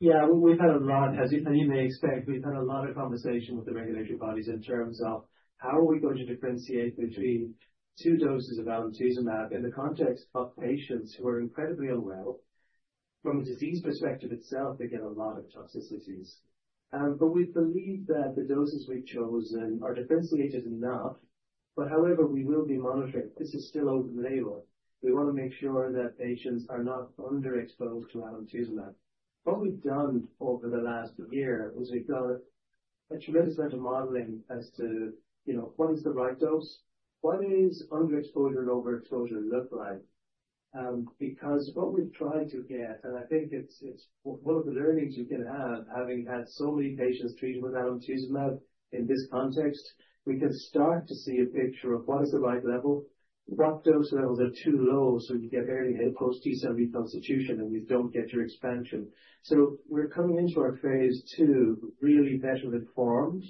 Yeah, we've had a lot, as you may expect. We've had a lot of conversation with the regulatory bodies in terms of how are we going to differentiate between two doses of Helms-Tewson ad in the context of patients who are incredibly unwell. From a disease perspective itself, they get a lot of toxicities. But we believe that the doses we've chosen are differentiated enough. But however, we will be monitoring. This is still open label. We want to make sure that patients are not underexposed to Helms-Tewson ad. What we've done over the last year is we've done a tremendous amount of modeling as to what is the right dose, what does underexposure and overexposure look like. Because what we've tried to get, and I think it's one of the learnings you can have having had so many patients treated with alemtuzumab in this context, we can start to see a picture of what is the right level. What dose levels are too low so you get very close T-cell reconstitution and you don't get your expansion. So we're coming into our phase II really better informed.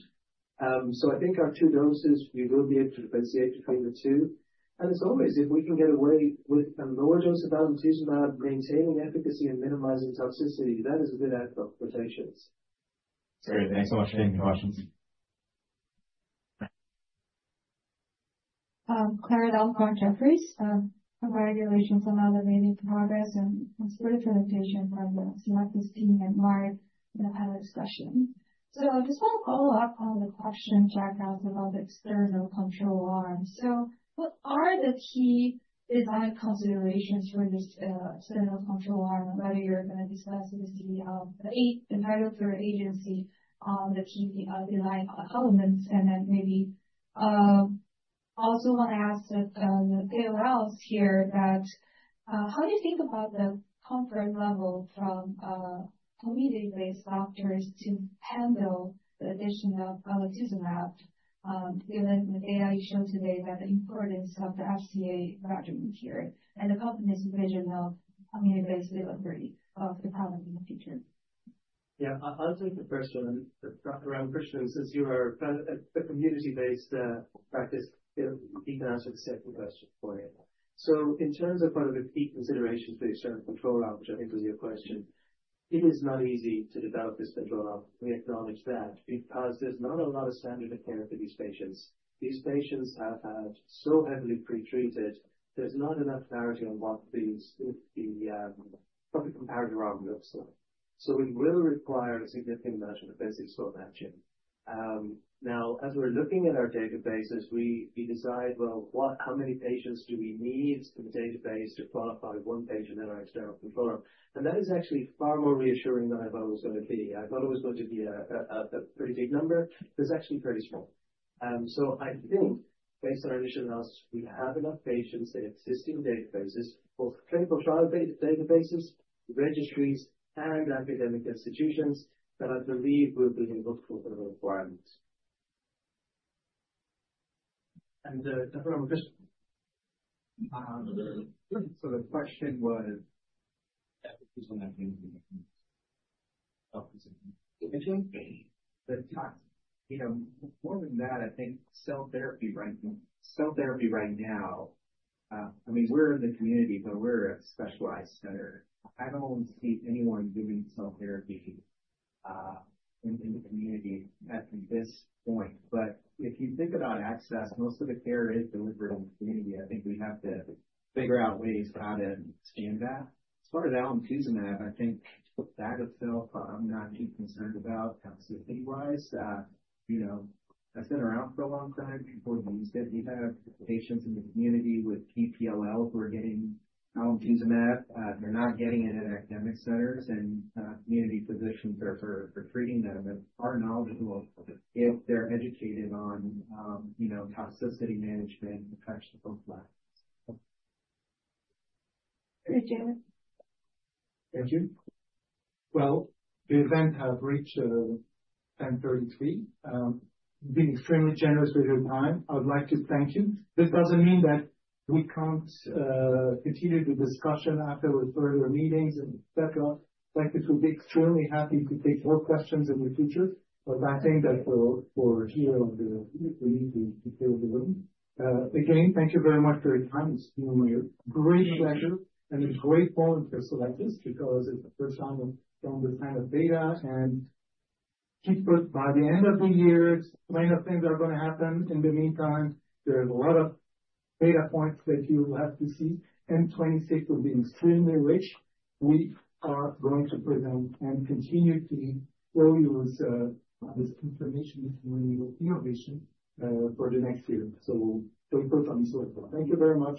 So I think our two doses, we will be able to differentiate between the two. And as always, if we can get away with a lower dose of alemtuzumab, maintaining efficacy and minimizing toxicity, that is a good outcome for patients. Great. Thanks so much for taking the questions. Clara Dong, Jefferies. Congratulations on all the amazing progress and support for the patient from the CRC team and Mark in the panel discussion. So I just want to follow up on the question Jack asked about the external control arm. So what are the key design considerations for this external control arm, whether you're going to discuss with the FDA and EMA on the key design elements? And then maybe also want to ask the KOLs here that how do you think about the comfort level from community-based doctors to handle the addition of alemtuzumab, given the data you showed today, that the importance of the FCA regimen here and the company's vision of community-based delivery of the product in the future? Yeah, I'll take the first one. Dr. Ramakrishnan, question. Since you are a community-based practice, I think that's an accepted question for you. So in terms of one of the key considerations for the external control arm, which I think was your question, it is not easy to develop this control arm. We acknowledge that because there's not a lot of standard of care for these patients. These patients have had so heavily pretreated. There's not enough clarity on what the comparative arm looks like. So it will require a significant amount of efficacy score matching. Now, as we're looking at our databases, we decide, well, how many patients do we need in the database to qualify one patient in our external control arm? And that is actually far more reassuring than I thought it was going to be. I thought it was going to be a pretty big number. It's actually pretty small. So I think based on our initial analysis, we have enough patients in existing databases, both clinical trial databases, registries, and academic institutions that I believe will be able to fulfill the requirement. And Dr. Ramakrishnan, a question. So the question was efficacy and efficacy. More than that, I think cell therapy right now. Cell therapy right now, I mean, we're in the community, but we're a specialized center. I don't see anyone doing cell therapy in the community at this point. But if you think about access, most of the care is delivered in the community. I think we have to figure out ways how to expand that. As far as Helms-Tewson ad, I think that itself, I'm not too concerned about toxicity-wise. I've been around for a long time. People have used it. We have patients in the community with T-PLL who are getting Helms-Tewson ad. They're not getting it at academic centers, and community physicians are treating them. Our knowledge will. If they're educated on toxicity management, it touches both lines. Thank you. Well, the event has reached 10:33. You've been extremely generous with your time. I would like to thank you. This doesn't mean that we can't continue the discussion after with further meetings and etc. Like this, we'd be extremely happy to take more questions in the future. But I think that we're here on the need to fill the room. Again, thank you very much for your time. It's been my great pleasure and a great volunteer to like this because it's the first time I'm showing this kind of data, and keep up by the end of the year. Plenty of things are going to happen. In the meantime, there are a lot of data points that you will have to see. N26 will be extremely rich. We are going to present and continue to grow this information innovation for the next year. So thank you very much.